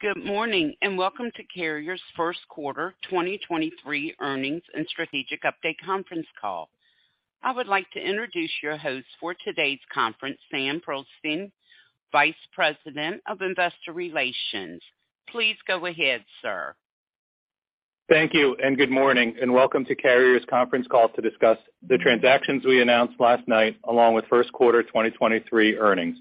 Good morning. Welcome to Carrier's First Quarter 2023 Earnings and Strategic Update Conference Call. I would like to introduce your host for today's conference, Sam Pearlstein, Vice President of Investor Relations. Please go ahead, sir. Thank you, good morning, and welcome to Carrier's Conference Call to discuss the transactions we announced last night, along with first quarter 2023 earnings.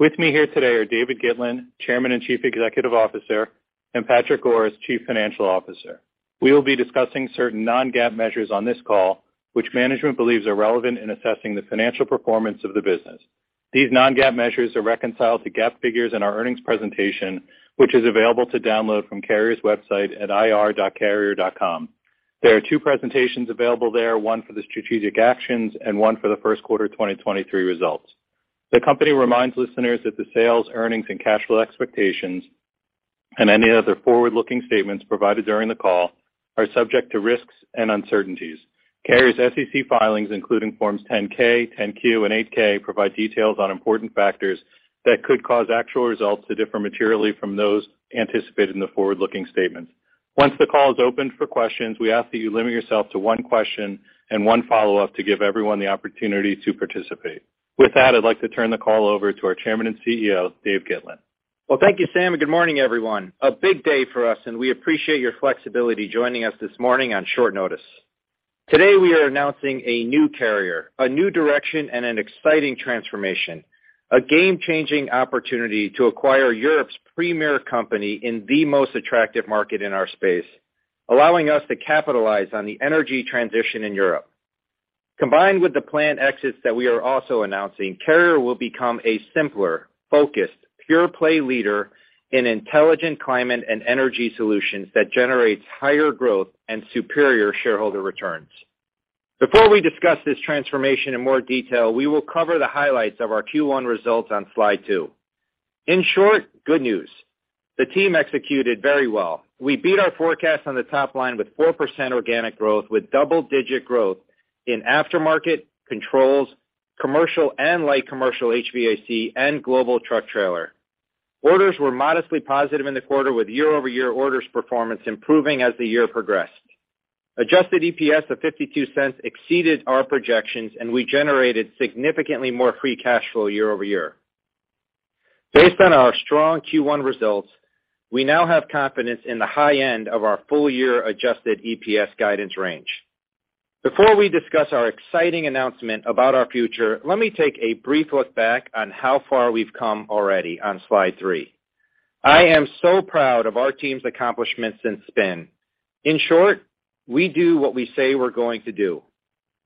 With me here today are David Gitlin, chairman and chief executive officer, and Patrick Goris, chief financial officer. We will be discussing certain non-GAAP measures on this call, which management believes are relevant in assessing the financial performance of the business. These non-GAAP measures are reconciled to GAAP figures in our earnings presentation, which is available to download from Carrier's website at ir.carrier.com. There are two presentations available there, one for the strategic actions and one for the first quarter of 2023 results. The company reminds listeners that the sales, earnings, and cash flow expectations and any other forward-looking statements provided during the call are subject to risks and uncertainties. Carrier's SEC filings, including Forms 10-K, 10-Q, and 8-K, provide details on important factors that could cause actual results to differ materially from those anticipated in the forward-looking statements. Once the call is opened for questions, we ask that you limit yourself to one question and one follow-up to give everyone the opportunity to participate. With that, I'd like to turn the call over to our Chairman and CEO, Dave Gitlin. Well, thank you, Sam. Good morning, everyone. A big day for us. We appreciate your flexibility joining us this morning on short notice. Today, we are announcing a new Carrier, a new direction, and an exciting transformation. A game-changing opportunity to acquire Europe's premier company in the most attractive market in our space, allowing us to capitalize on the energy transition in Europe. Combined with the planned exits that we are also announcing, Carrier will become a simpler, focused, pure-play leader in intelligent climate and energy solutions that generates higher growth and superior shareholder returns. Before we discuss this transformation in more detail, we will cover the highlights of our Q1 results on slide 2. In short, good news. The team executed very well. We beat our forecast on the top line with 4% organic growth, with double-digit growth in aftermarket, controls, commercial and light commercial HVAC, and global truck trailer. Orders were modestly positive in the quarter, with year-over-year orders performance improving as the year progressed. Adjusted EPS of $0.52 exceeded our projections, we generated significantly more free cash flow year-over-year. Based on our strong Q1 results, we now have confidence in the high end of our full-year adjusted EPS guidance range. Before we discuss our exciting announcement about our future, let me take a brief look back on how far we've come already on slide 3. I am so proud of our team's accomplishments since spin. In short, we do what we say we're going to do.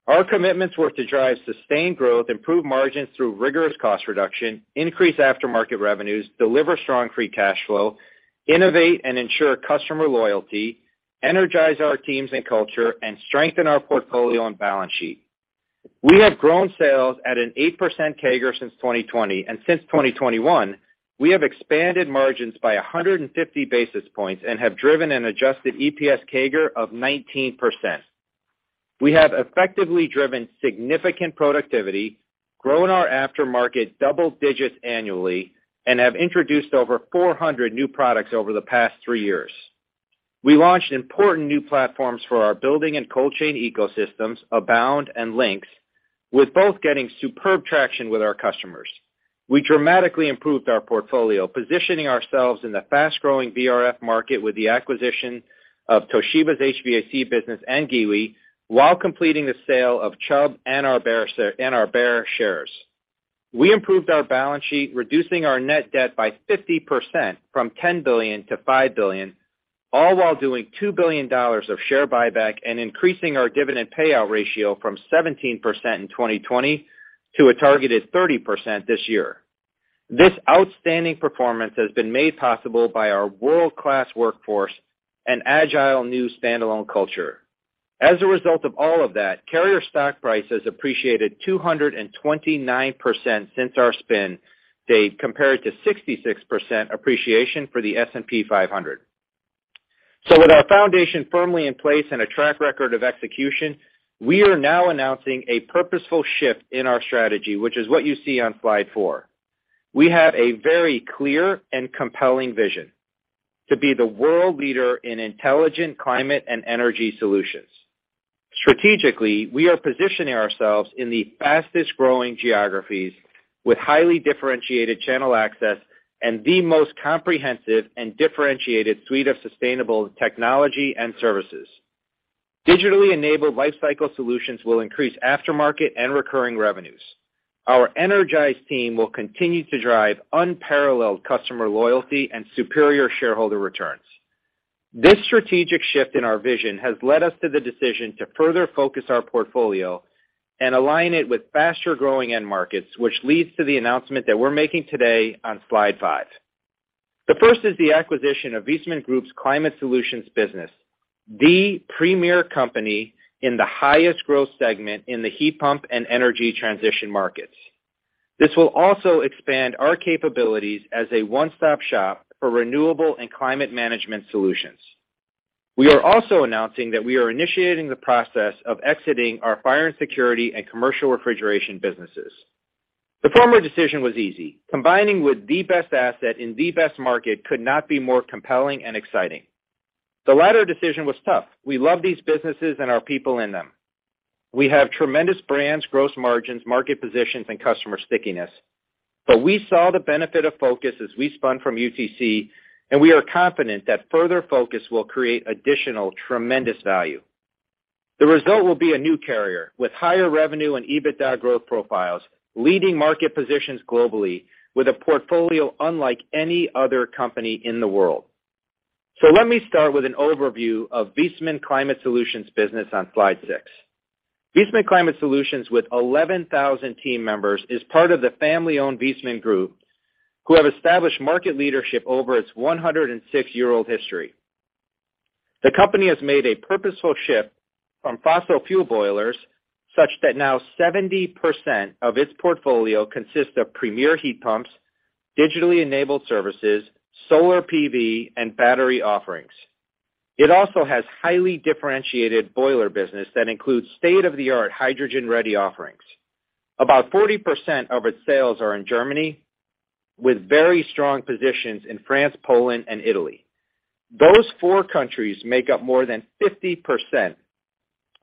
Our commitments were to drive sustained growth, improve margins through rigorous cost reduction, increase aftermarket revenues, deliver strong free cash flow, innovate and ensure customer loyalty, energize our teams and culture, and strengthen our portfolio and balance sheet. We have grown sales at an 8% CAGR since 2020, and since 2021, we have expanded margins by 150 basis points and have driven an adjusted EPS CAGR of 19%. We have effectively driven significant productivity, grown our aftermarket double digits annually, and have introduced over 400 new products over the past three years. We launched important new platforms for our building and cold chain ecosystems, Abound and Lynx, with both getting superb traction with our customers. We dramatically improved our portfolio, positioning ourselves in the fast-growing VRF market with the acquisition of Toshiba's HVAC business and Giwee while completing the sale of Chubb and our Beijer shares. We improved our balance sheet, reducing our net debt by 50% from $10 billion to $5 billion, all while doing $2 billion of share buyback and increasing our dividend payout ratio from 17% in 2020 to a targeted 30% this year. This outstanding performance has been made possible by our world-class workforce and agile new standalone culture. As a result of all of that, Carrier's stock price has appreciated 229% since our spin date, compared to 66% appreciation for the S&P 500. With our foundation firmly in place and a track record of execution, we are now announcing a purposeful shift in our strategy, which is what you see on slide 4. We have a very clear and compelling vision: to be the world leader in intelligent climate and energy solutions. Strategically, we are positioning ourselves in the fastest-growing geographies with highly differentiated channel access and the most comprehensive and differentiated suite of sustainable technology and services. Digitally enabled lifecycle solutions will increase aftermarket and recurring revenues. Our energized team will continue to drive unparalleled customer loyalty and superior shareholder returns. This strategic shift in our vision has led us to the decision to further focus our portfolio and align it with faster-growing end markets, which leads to the announcement that we're making today on slide 5. The first is the acquisition of Viessmann Group's Climate Solutions business, the premier company in the highest growth segment in the heat pump and energy transition markets. This will also expand our capabilities as a one-stop shop for renewable and climate management solutions. We are also announcing that we are initiating the process of exiting our fire and security and commercial refrigeration businesses. The former decision was easy. Combining with the best asset in the best market could not be more compelling and exciting. The latter decision was tough. We love these businesses and our people in them. We have tremendous brands, gross margins, market positions, and customer stickiness. We saw the benefit of focus as we spun from UTC, and we are confident that further focus will create additional tremendous value. The result will be a new Carrier with higher revenue and EBITDA growth profiles, leading market positions globally, with a portfolio unlike any other company in the world. Let me start with an overview of Viessmann Climate Solutions business on slide 6. Viessmann Climate Solutions with 11,000 team members is part of the family-owned Viessmann Group, who have established market leadership over its 106-year-old history. The company has made a purposeful shift from fossil fuel boilers, such that now 70% of its portfolio consists of premier heat pumps, digitally enabled services, solar PV, and battery offerings. It also has highly differentiated boiler business that includes state-of-the-art hydrogen-ready offerings. About 40% of its sales are in Germany, with very strong positions in France, Poland, and Italy. Those four countries make up more than 50%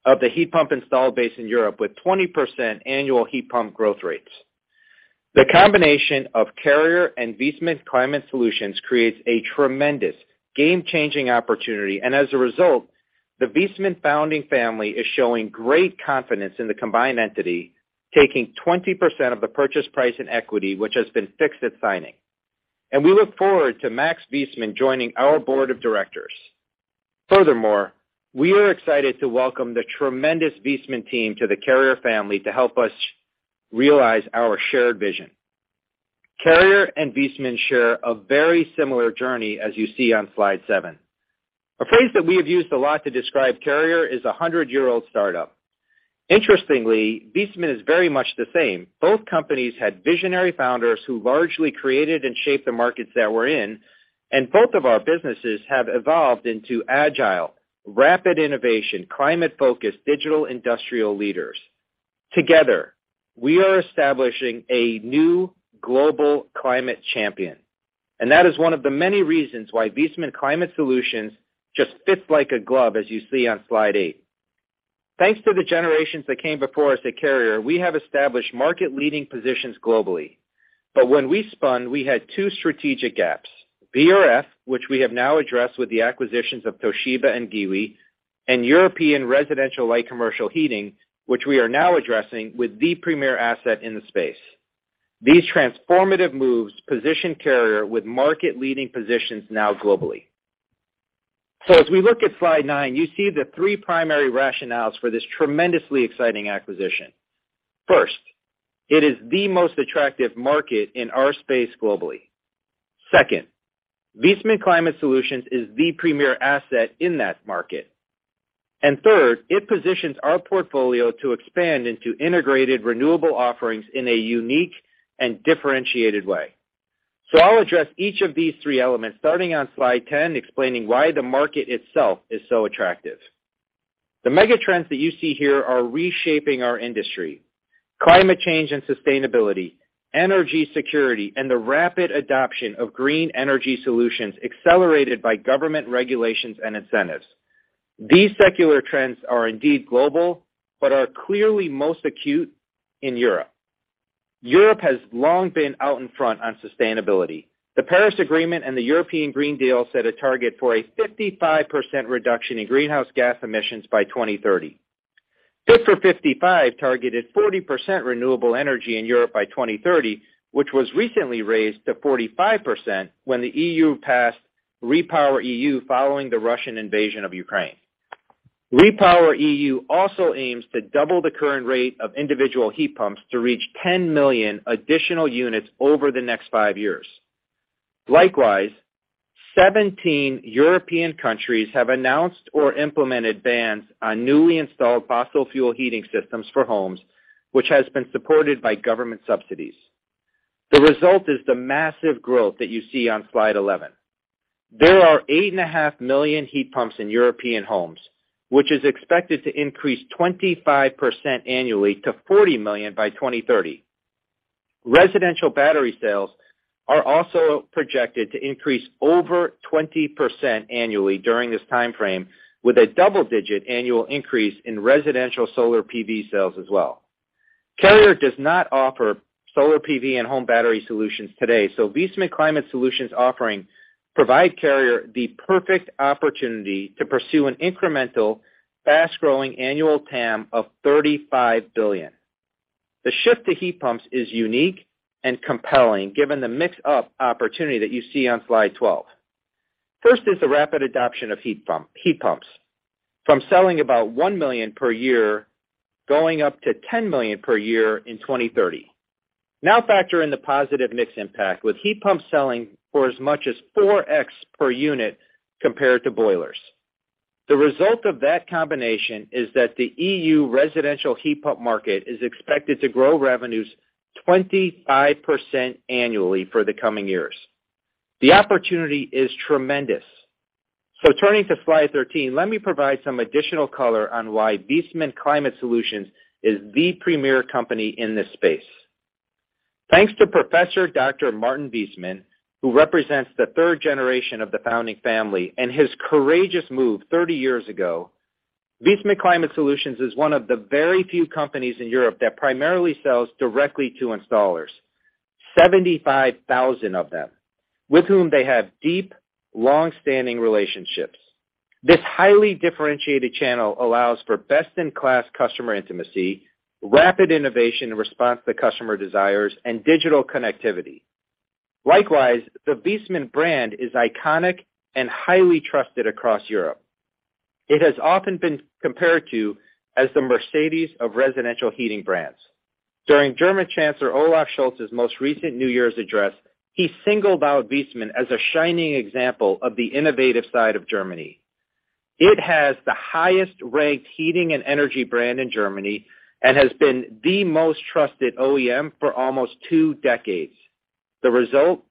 of the heat pump installed base in Europe, with 20% annual heat pump growth rates. The combination of Carrier and Viessmann Climate Solutions creates a tremendous game-changing opportunity, as a result, the Viessmann founding family is showing great confidence in the combined entity, taking 20% of the purchase price in equity, which has been fixed at signing. We look forward to Max Viessmann joining our board of directors. Furthermore, we are excited to welcome the tremendous Viessmann team to the Carrier family to help us realize our shared vision. Carrier and Viessmann share a very similar journey, as you see on slide 7. A phrase that we have used a lot to describe Carrier is a 100-year-old startup. Interestingly, Viessmann is very much the same. Both companies had visionary founders who largely created and shaped the markets that we're in, and both of our businesses have evolved into agile, rapid innovation, climate-focused digital industrial leaders. Together, we are establishing a new global climate champion, and that is one of the many reasons why Viessmann Climate Solutions just fits like a glove as you see on slide 8. Thanks to the generations that came before us at Carrier, we have established market-leading positions globally. When we spun, we had two strategic gaps: VRF, which we have now addressed with the acquisitions of Toshiba and Giwee, and European residential light commercial heating, which we are now addressing with the premier asset in the space. These transformative moves position Carrier with market-leading positions now globally. As we look at slide 9, you see the three primary rationales for this tremendously exciting acquisition. It is the most attractive market in our space globally. Viessmann Climate Solutions is the premier asset in that market. Third, it positions our portfolio to expand into integrated renewable offerings in a unique and differentiated way. I'll address each of these three elements, starting on slide 10, explaining why the market itself is so attractive. The megatrends that you see here are reshaping our industry: climate change and sustainability, energy security, and the rapid adoption of green energy solutions accelerated by government regulations and incentives. These secular trends are indeed global but are clearly most acute in Europe. Europe has long been out in front on sustainability. The Paris Agreement and the European Green Deal set a target for a 55% reduction in greenhouse gas emissions by 2030. Fit for 55 targeted 40% renewable energy in Europe by 2030, which was recently raised to 45% when the EU passed REPowerEU following the Russian invasion of Ukraine. REPowerEU also aims to double the current rate of individual heat pumps to reach 10 million additional units over the next 5 years. Likewise, 17 European countries have announced or implemented bans on newly installed fossil fuel heating systems for homes, which has been supported by government subsidies. The result is the massive growth that you see on slide 11. There are 8.5 million heat pumps in European homes, which is expected to increase 25% annually to 40 million by 2030. Residential battery sales are also projected to increase over 20% annually during this time frame, with a double-digit annual increase in residential solar PV sales as well. Carrier does not offer solar PV and home battery solutions today, Viessmann Climate Solutions offering provide Carrier the perfect opportunity to pursue an incremental fast-growing annual TAM of $35 billion. The shift to heat pumps is unique and compelling given the mix-up opportunity that you see on slide 12. First is the rapid adoption of heat pumps from selling about 1 million per year, going up to 10 million per year in 2030. Factor in the positive mix impact with heat pumps selling for as much as 4x per unit compared to boilers. The result of that combination is that the EU residential heat pump market is expected to grow revenues 25% annually for the coming years. The opportunity is tremendous. Turning to slide 13, let me provide some additional color on why Viessmann Climate Solutions is the premier company in this space. Thanks to Professor Dr. Martin Viessmann, who represents the third generation of the founding family, and his courageous move 30 years ago, Viessmann Climate Solutions is one of the very few companies in Europe that primarily sells directly to installers. 75,000 of them, with whom they have deep, long-standing relationships. This highly differentiated channel allows for best-in-class customer intimacy, rapid innovation in response to customer desires, and digital connectivity. Likewise, the Viessmann brand is iconic and highly trusted across Europe. It has often been compared to as the Mercedes of residential heating brands. During German Chancellor Olaf Scholz's most recent New Year's address, he singled out Viessmann as a shining example of the innovative side of Germany. It has the highest-ranked heating and energy brand in Germany and has been the most trusted OEM for almost two decades. The result,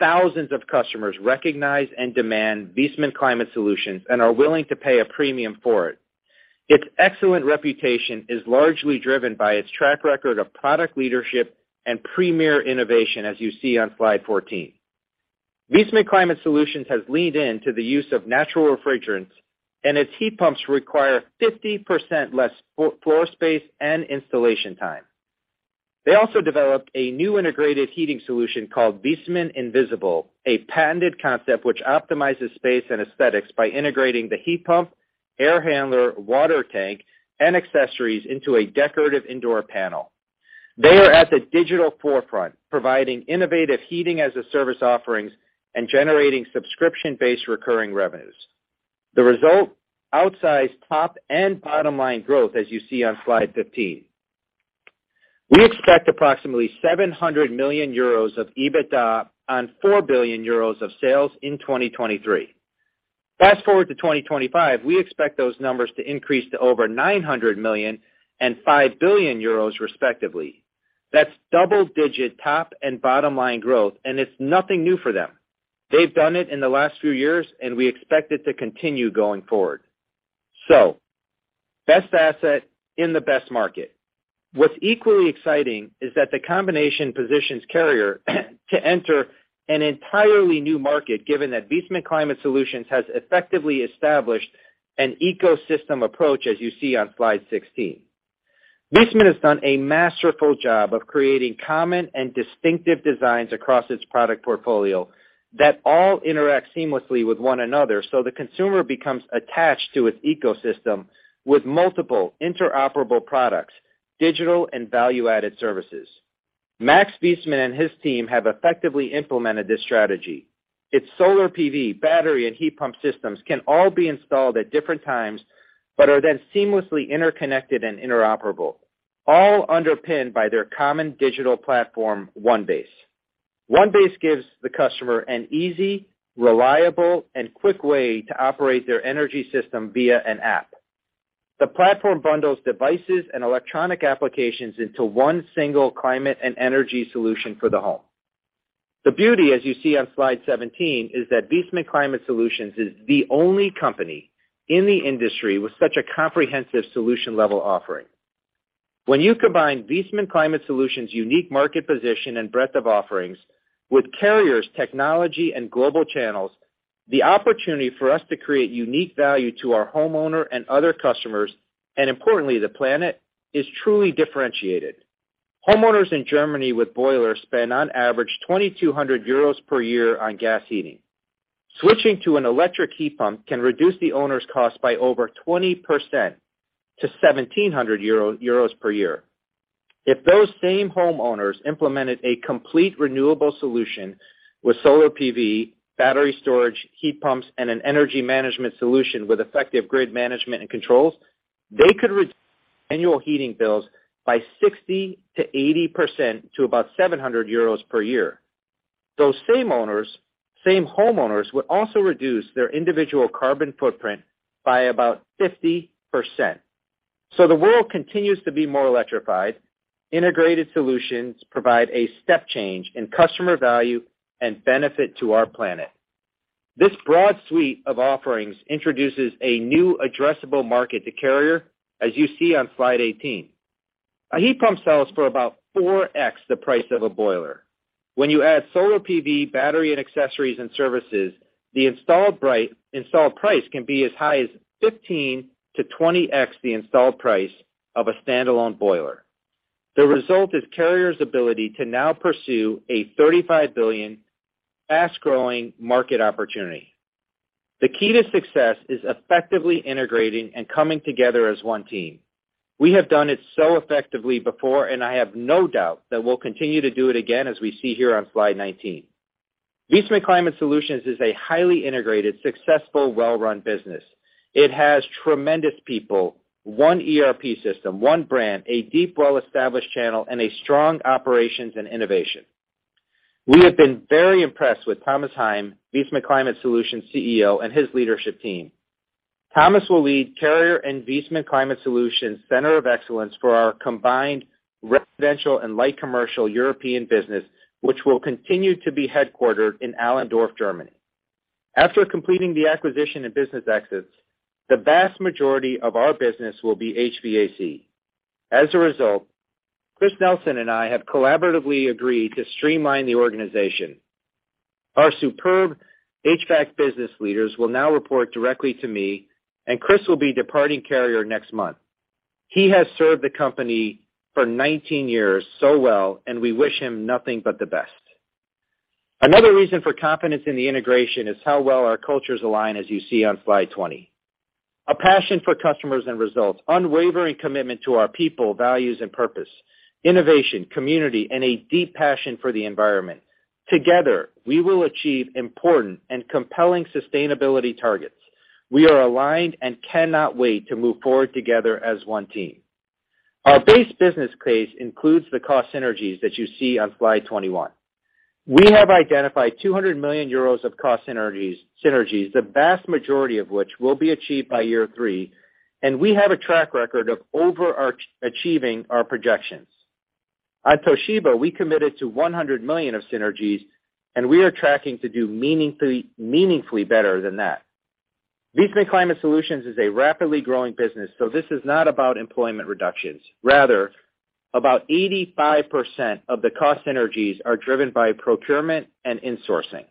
thousands of customers recognize and demand Viessmann Climate Solutions and are willing to pay a premium for it. Its excellent reputation is largely driven by its track record of product leadership and premier innovation, as you see on slide 14. Viessmann Climate Solutions has leaned into the use of natural refrigerants, and its heat pumps require 50% less floor space and installation time. They also developed a new integrated heating solution called Viessmann Invisible, a patented concept which optimizes space and aesthetics by integrating the heat pump, air handler, water tank, and accessories into a decorative indoor panel. They are at the digital forefront, providing innovative heating-as-a-service offerings and generating subscription-based recurring revenues. The result, outsized top and bottom-line growth as you see on slide 15. We expect approximately 700 million euros of EBITDA on 4 billion euros of sales in 2023. Fast-forward to 2025, we expect those numbers to increase to over 900 million and 5 billion euros respectively. That's double-digit top and bottom-line growth, and it's nothing new for them. They've done it in the last few years, and we expect it to continue going forward. Best asset in the best market. What's equally exciting is that the combination positions Carrier to enter an entirely new market, given that Viessmann Climate Solutions has effectively established an ecosystem approach, as you see on slide 16. Viessmann has done a masterful job of creating common and distinctive designs across its product portfolio that all interact seamlessly with one another, so the consumer becomes attached to its ecosystem with multiple interoperable products, digital and value-added services. Max Viessmann and his team have effectively implemented this strategy. Its solar PV, battery, and heat pump systems can all be installed at different times but are then seamlessly interconnected and interoperable, all underpinned by their common digital platform, One Base. One Base gives the customer an easy, reliable, and quick way to operate their energy system via an app. The platform bundles devices and electronic applications into one single climate and energy solution for the home. The beauty, as you see on slide 17, is that Viessmann Climate Solutions is the only company in the industry with such a comprehensive solution-level offering. When you combine Viessmann Climate Solutions' unique market position and breadth of offerings with Carrier's technology and global channels, the opportunity for us to create unique value to our homeowner and other customers, and importantly, the planet, is truly differentiated. Homeowners in Germany with boilers spend on average 2,200 euros per year on gas heating. Switching to an electric heat pump can reduce the owner's cost by over 20% to 1,700 euros per year. If those same homeowners implemented a complete renewable solution with solar PV, battery storage, heat pumps, and an energy management solution with effective grid management and controls, they could reduce annual heating bills by 60%-80% to about 700 euros per year. Those same homeowners would also reduce their individual carbon footprint by about 50%. The world continues to be more electrified. Integrated solutions provide a step change in customer value and benefit to our planet. This broad suite of offerings introduces a new addressable market to Carrier, as you see on slide 18. A heat pump sells for about 4x the price of a boiler. You add solar PV, battery and accessories and services, the installed price can be as high as 15x-20x the installed price of a standalone boiler. The result is Carrier's ability to now pursue a $35 billion fast-growing market opportunity. The key to success is effectively integrating and coming together as one team. We have done it so effectively before, and I have no doubt that we'll continue to do it again, as we see here on slide 19. Viessmann Climate Solutions is a highly integrated, successful, well-run business. It has tremendous people, one ERP system, one brand, a deep well-established channel, and a strong operations and innovation. We have been very impressed with Thomas Heim, Viessmann Climate Solutions CEO, and his leadership team. Thomas will lead Carrier and Viessmann Climate Solutions Center of Excellence for our combined residential and light commercial European business, which will continue to be headquartered in Allendorf, Germany. After completing the acquisition and business exits, the vast majority of our business will be HVAC. As a result, Chris Peterson and I have collaboratively agreed to streamline the organization. Our superb HVAC business leaders will now report directly to me, and Chris will be departing Carrier next month. He has served the company for 19 years so well, and we wish him nothing but the best. Another reason for confidence in the integration is how well our cultures align, as you see on slide 20. A passion for customers and results, unwavering commitment to our people, values, and purpose, innovation, community, and a deep passion for the environment. Together, we will achieve important and compelling sustainability targets. We are aligned and cannot wait to move forward together as one team. Our base business case includes the cost synergies that you see on slide 21. We have identified 200 million euros of cost synergies, the vast majority of which will be achieved by year three, and we have a track record of overachieving our projections. At Toshiba, we committed to 100 million of synergies, and we are tracking to do meaningfully better than that. Viessmann Climate Solutions is a rapidly growing business, so this is not about employment reductions. Rather, about 85% of the cost synergies are driven by procurement and insourcing.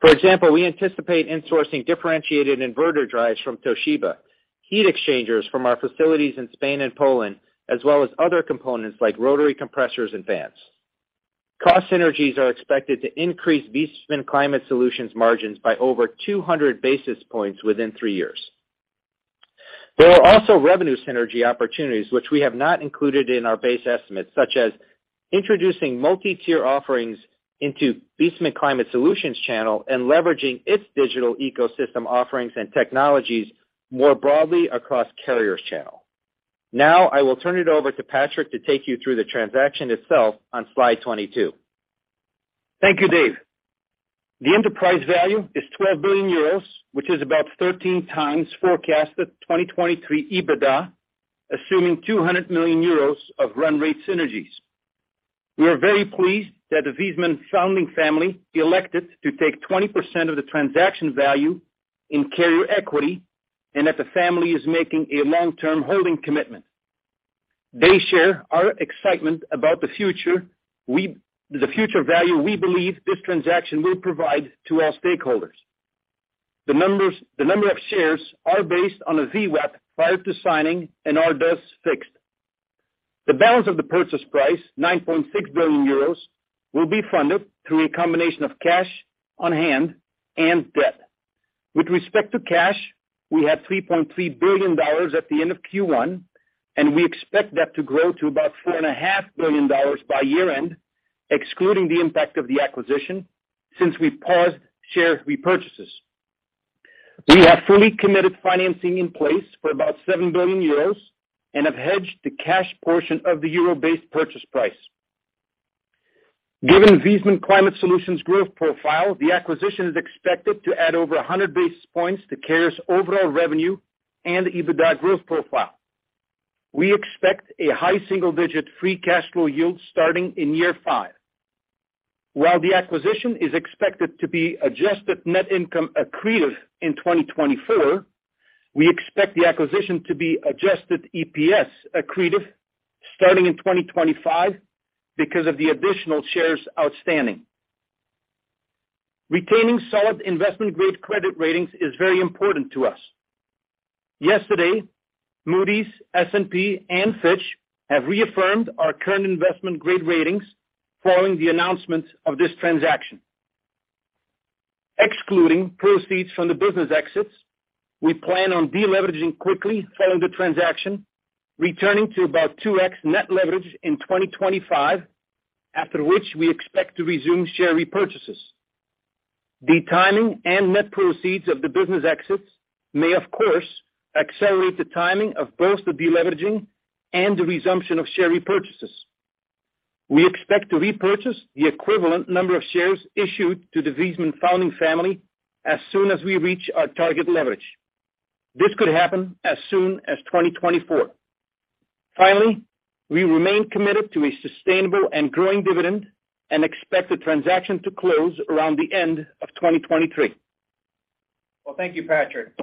For example, we anticipate insourcing differentiated inverter drives from Toshiba, heat exchangers from our facilities in Spain and Poland, as well as other components like rotary compressors and fans. Cost synergies are expected to increase Viessmann Climate Solutions margins by over 200 basis points within three years. There are also revenue synergy opportunities which we have not included in our base estimates, such as introducing multi-tier offerings into Viessmann Climate Solutions channel and leveraging its digital ecosystem offerings and technologies more broadly across Carrier's channel. Now, I will turn it over to Patrick to take you through the transaction itself on slide 22. Thank you, Dave. The enterprise value is 12 billion euros, which is about 13x forecasted 2023 EBITDA, assuming 200 million euros of run rate synergies. We are very pleased that the Viessmann founding family elected to take 20% of the transaction value in Carrier equity and that the family is making a long-term holding commitment. They share our excitement about the future value we believe this transaction will provide to our stakeholders. The number of shares are based on a VWAP prior to signing and are thus fixed. The balance of the purchase price, 9.6 billion euros, will be funded through a combination of cash on hand and debt. With respect to cash, we have $3.3 billion at the end of Q1, and we expect that to grow to about $4.5 billion by year-end, excluding the impact of the acquisition since we paused share repurchases. We have fully committed financing in place for about 7 billion euros and have hedged the cash portion of the euro-based purchase price. Given Viessmann Climate Solutions' growth profile, the acquisition is expected to add over 100 basis points to Carrier's overall revenue and EBITDA growth profile. We expect a high single-digit free cash flow yield starting in year 5. While the acquisition is expected to be adjusted net income accretive in 2024, we expect the acquisition to be adjusted EPS accretive starting in 2025 because of the additional shares outstanding. Retaining solid investment-grade credit ratings is very important to us. Yesterday, Moody's, S&P, and Fitch have reaffirmed our current investment-grade ratings following the announcement of this transaction. Excluding proceeds from the business exits, we plan on deleveraging quickly following the transaction, returning to about 2x net leverage in 2025, after which we expect to resume share repurchases. The timing and net proceeds of the business exits may of course accelerate the timing of both the deleveraging and the resumption of share repurchases. We expect to repurchase the equivalent number of shares issued to the Viessmann founding family as soon as we reach our target leverage. This could happen as soon as 2024. Finally, we remain committed to a sustainable and growing dividend and expect the transaction to close around the end of 2023. Well, thank you, Patrick.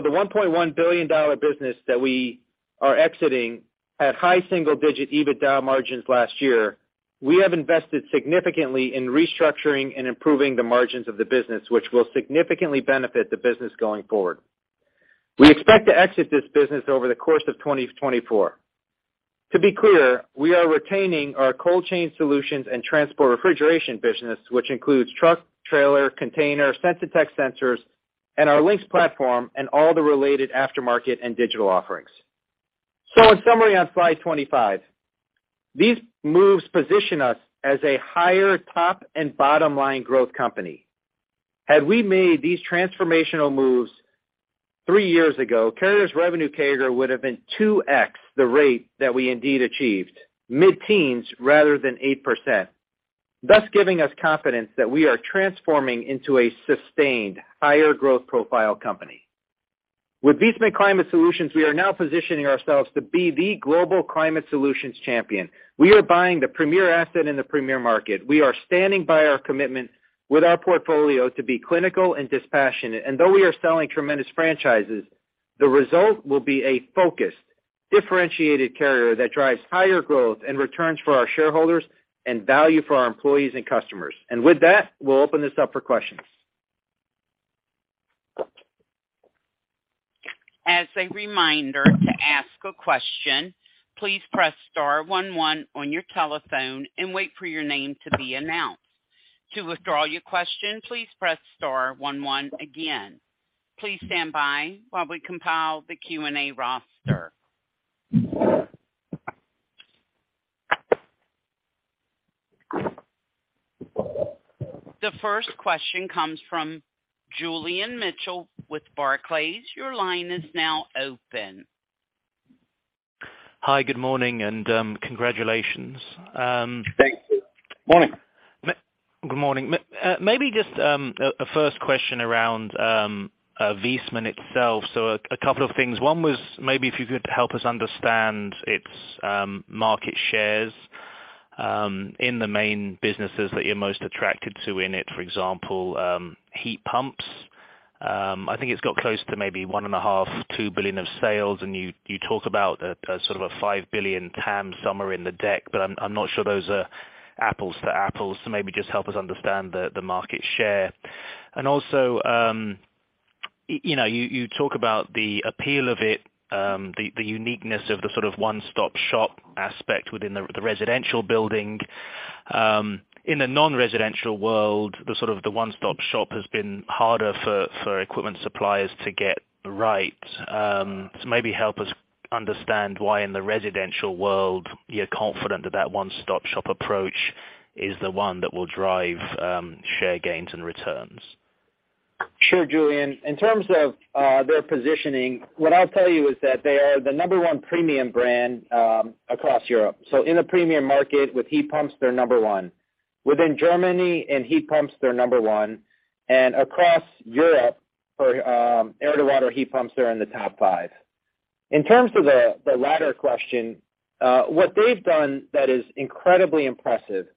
The $1.1 billion business that we are exiting had high single-digit EBITDA margins last year. We have invested significantly in restructuring and improving the margins of the business, which will significantly benefit the business going forward. We expect to exit this business over the course of 2024. To be clear, we are retaining our cold chain solutions and transport refrigeration business, which includes truck, trailer, container, Sensitech sensors, and our Lynx platform, and all the related aftermarket and digital offerings. In summary on slide 25, these moves position us as a higher top and bottom-line growth company. Had we made these transformational moves three years ago, Carrier's revenue CAGR would have been 2x the rate that we indeed achieved, mid-teens rather than 8%. Thus giving us confidence that we are transforming into a sustained higher growth profile company. With Viessmann Climate Solutions, we are now positioning ourselves to be the global climate solutions champion. We are buying the premier asset in the premier market. We are standing by our commitment with our portfolio to be clinical and dispassionate. Though we are selling tremendous franchises, the result will be a focused, differentiated Carrier that drives higher growth and returns for our shareholders and value for our employees and customers. With that, we'll open this up for questions. As a reminder, to ask a question, please press star one one on your telephone and wait for your name to be announced. To withdraw your question, please press star one one again. Please stand by while we compile the Q&A roster. The first question comes from Julian Mitchell with Barclays. Your line is now open. Hi, good morning and congratulations. Thanks. Morning. Good morning. Maybe just a first question around Viessmann itself. A couple of things. One was maybe if you could help us understand its market shares in the main businesses that you're most attracted to in it, for example, heat pumps. I think it's got close to maybe $1.5 billion-$2 billion of sales, and you talk about a sort of a $5 billion TAM somewhere in the deck, but I'm not sure those are apples to apples. Maybe just help us understand the market share. Also, you know, you talk about the appeal of it, the uniqueness of the sort of one-stop shop aspect within the residential building. In the non-residential world, the sort of the one-stop shop has been harder for equipment suppliers to get right. Maybe help us understand why in the residential world, you're confident that that one-stop shop approach is the one that will drive share gains and returns. Sure, Julian. In terms of their positioning, what I'll tell you is that they are the number 1 premium brand across Europe. In a premium market with heat pumps, they're number 1. Within Germany, in heat pumps, they're number 1. Across Europe for air-to-water heat pumps, they're in the top 5. In terms of the latter question, what they've done that is incredibly impressive is that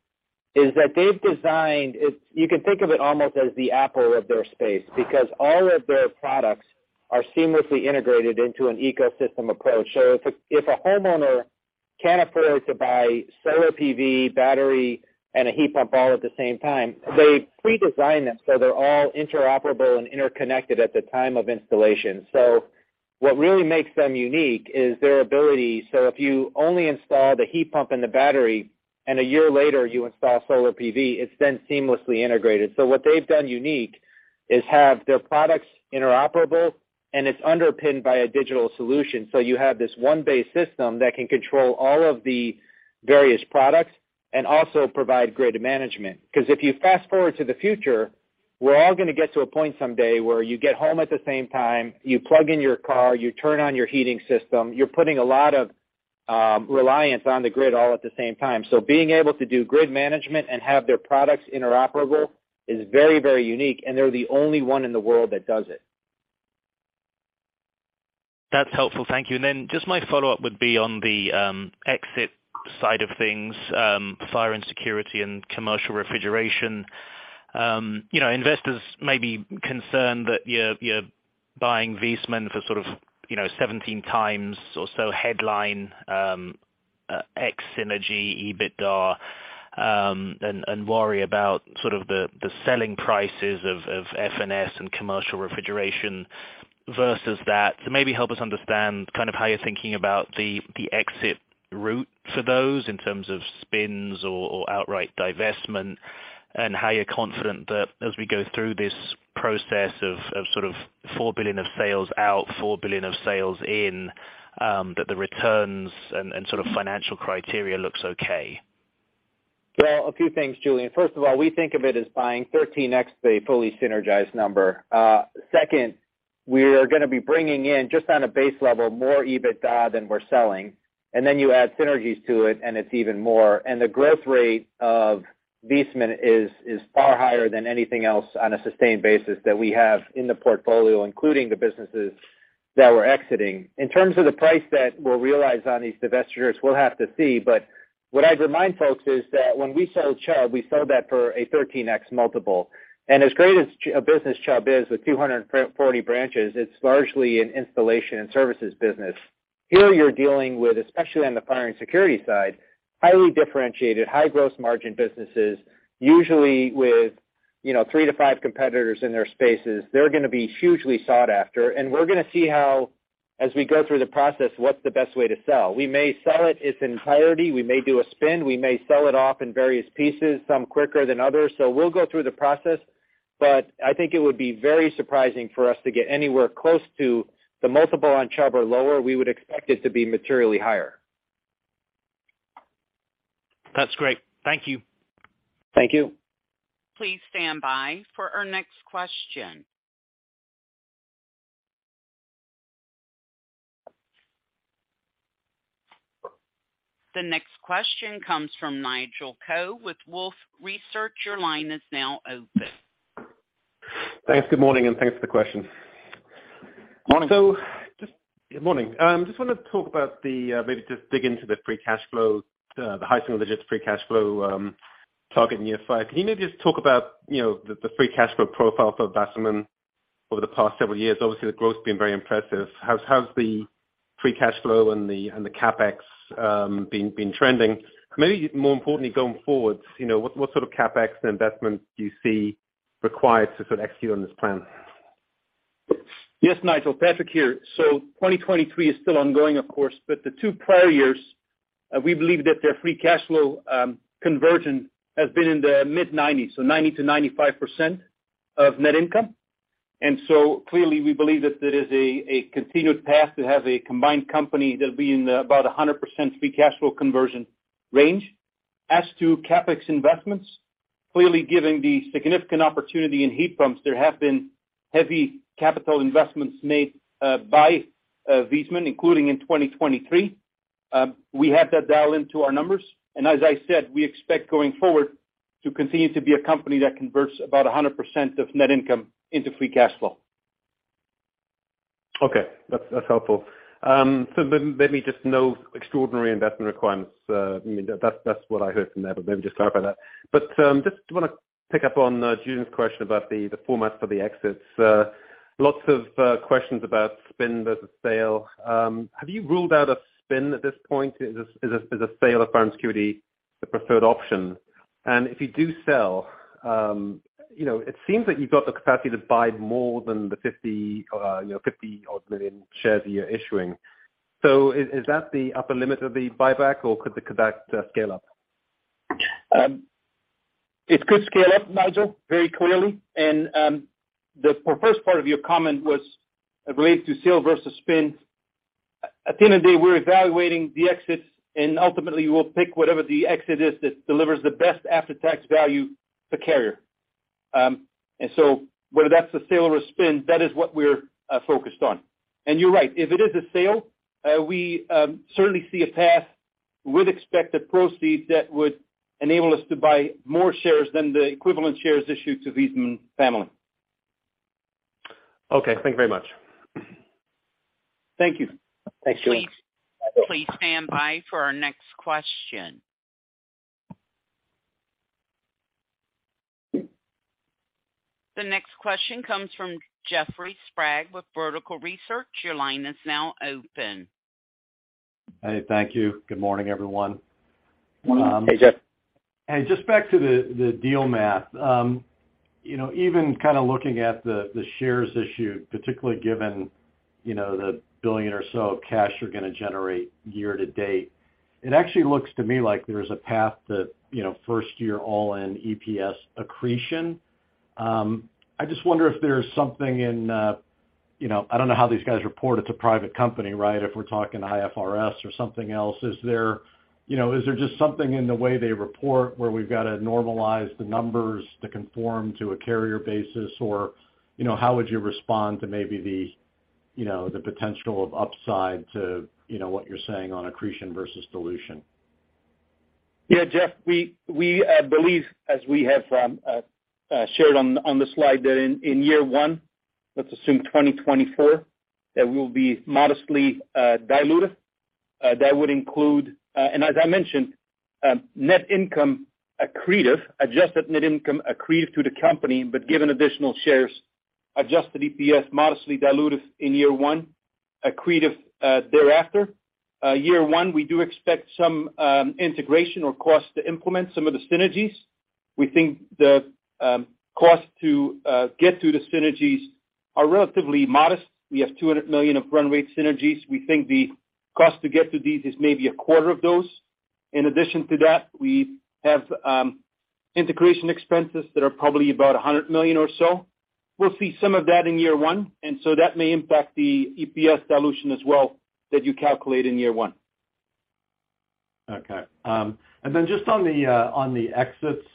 they've designed it. You can think of it almost as the Apple of their space, because all of their products are seamlessly integrated into an ecosystem approach. If a homeowner can't afford to buy solar PV, battery, and a heat pump all at the same time, they pre-design them, so they're all interoperable and interconnected at the time of installation. What really makes them unique is their ability. If you only install the heat pump and the battery and a year later you install solar PV, it's then seamlessly integrated. What they've done unique is have their products interoperable, and it's underpinned by a digital solution. You have this One Base system that can control all of the various products and also provide grid management. 'Cause if you fast-forward to the future, we're all gonna get to a point someday where you get home at the same time, you plug in your car, you turn on your heating system, you're putting a lot of reliance on the grid all at the same time. Being able to do grid management and have their products interoperable is very, very unique, and they're the only one in the world that does it. That's helpful. Thank you. Then just my follow-up would be on the exit side of things, fire and security and commercial refrigeration. You know, investors may be concerned that you're buying Viessmann for sort of, you know, 17 times or so headline, ex synergy EBITDA, and worry about sort of the selling prices of FNS and commercial refrigeration versus that. Maybe help us understand kind of how you're thinking about the exit route for those in terms of spins or outright divestment and how you're confident that as we go through this process of sort of $4 billion of sales out, $4 billion of sales in, that the returns and sort of financial criteria looks okay. A few things, Julian. First of all, we think of it as buying 13x a fully synergized number. Second, we are gonna be bringing in just on a base level more EBITDA than we're selling, and then you add synergies to it, and it's even more. The growth rate of Viessmann is far higher than anything else on a sustained basis that we have in the portfolio, including the businesses that we're exiting. In terms of the price that we'll realize on these divestitures, we'll have to see. What I'd remind folks is that when we sold Chubb, we sold that for a 13x multiple. As great as a business Chubb is with 240 branches, it's largely an installation and services business. Here, you're dealing with, especially on the fire and security side, highly differentiated, high gross margin businesses, usually with, you know, three to five competitors in their spaces. They're gonna be hugely sought after. We're gonna see how, as we go through the process, what's the best way to sell. We may sell it its entirety, we may do a spin, we may sell it off in various pieces, some quicker than others. We'll go through the process, but I think it would be very surprising for us to get anywhere close to the multiple on Chubb or lower. We would expect it to be materially higher. That's great. Thank you. Thank you. Please stand by for our next question. The next question comes from Nigel Coe with Wolfe Research. Your line is now open. Thanks. Good morning, and thanks for the question. Morning. Good morning. Just wanted to talk about the, maybe just dig into the free cash flow, the high single-digits free cash flow target in year 5. Can you maybe just talk about, you know, the free cash flow profile for Viessmann over the past several years? Obviously, the growth's been very impressive. How's the free cash flow and the CapEx been trending? Maybe more importantly going forward, you know, what sort of CapEx investment do you see required to sort of execute on this plan? Yes, Nigel. Patrick here. 2023 is still ongoing, of course, but the two prior years, we believe that their free cash flow conversion has been in the mid-nineties, so 90%-95% of net income. Clearly, we believe that there is a continued path to have a combined company that'll be in the about a 100% free cash flow conversion range. As to CapEx investments, clearly given the significant opportunity in heat pumps, there have been heavy capital investments made by Viessmann, including in 2023. We have that dialed into our numbers. As I said, we expect going forward to continue to be a company that converts about a 100% of net income into free cash flow. Okay. That's helpful. Let me just know extraordinary investment requirements. That's what I heard from there, but maybe just clarify that. Just wanna pick up on Julian's question about the format for the exits. Lots of questions about spin versus sale. Have you ruled out a spin at this point? Is a sale of fire and security the preferred option? If you do sell, it seems like you've got the capacity to buy more than the 50 odd million shares a year issuing. Is that the upper limit of the buyback or could the buyback scale up? It could scale up, Nigel, very clearly. The first part of your comment was related to sale versus spin. At the end of day, we're evaluating the exits and ultimately we'll pick whatever the exit is that delivers the best after-tax value to Carrier. Whether that's a sale or a spin, that is what we're focused on. You're right. If it is a sale, we certainly see a path with expected proceeds that would enable us to buy more shares than the equivalent shares issued to Viessmann family. Okay. Thank you very much. Thank you. Thanks, Julian. Please, please stand by for our next question. The next question comes from Jeffrey Sprague with Vertical Research Partners. Your line is now open. Hey, thank you. Good morning, everyone. Morning. Hey, Jeff. Just back to the deal math. You know, even kinda looking at the shares issued, particularly given, you know, the $1 billion or so of cash you're gonna generate year to date, it actually looks to me like there's a path that, you know, first year all-in EPS accretion. I just wonder if there's something in, you know, I don't know how these guys report. It's a private company, right? If we're talking IFRS or something else. Is there, you know, is there just something in the way they report where we've got to normalize the numbers to conform to a Carrier basis? Or, you know, how would you respond to maybe the, you know, the potential of upside to, you know, what you're saying on accretion versus dilution? Jeff, we believe as we have shared on the slide that in year one, let's assume 2024, that we'll be modestly diluted. That would include, and as I mentioned, net income accretive, adjusted net income accretive to the company, but given additional shares, adjusted EPS modestly diluted in year one, accretive thereafter. Year one, we do expect some integration or cost to implement some of the synergies. We think the cost to get to the synergies are relatively modest. We have $200 million of run rate synergies. We think the cost to get to these is maybe a quarter of those. In addition to that, we have. Integration expenses that are probably about $100 million or so. We'll see some of that in year 1, and so that may impact the EPS dilution as well that you calculate in year 1. Okay. Then just on the exits,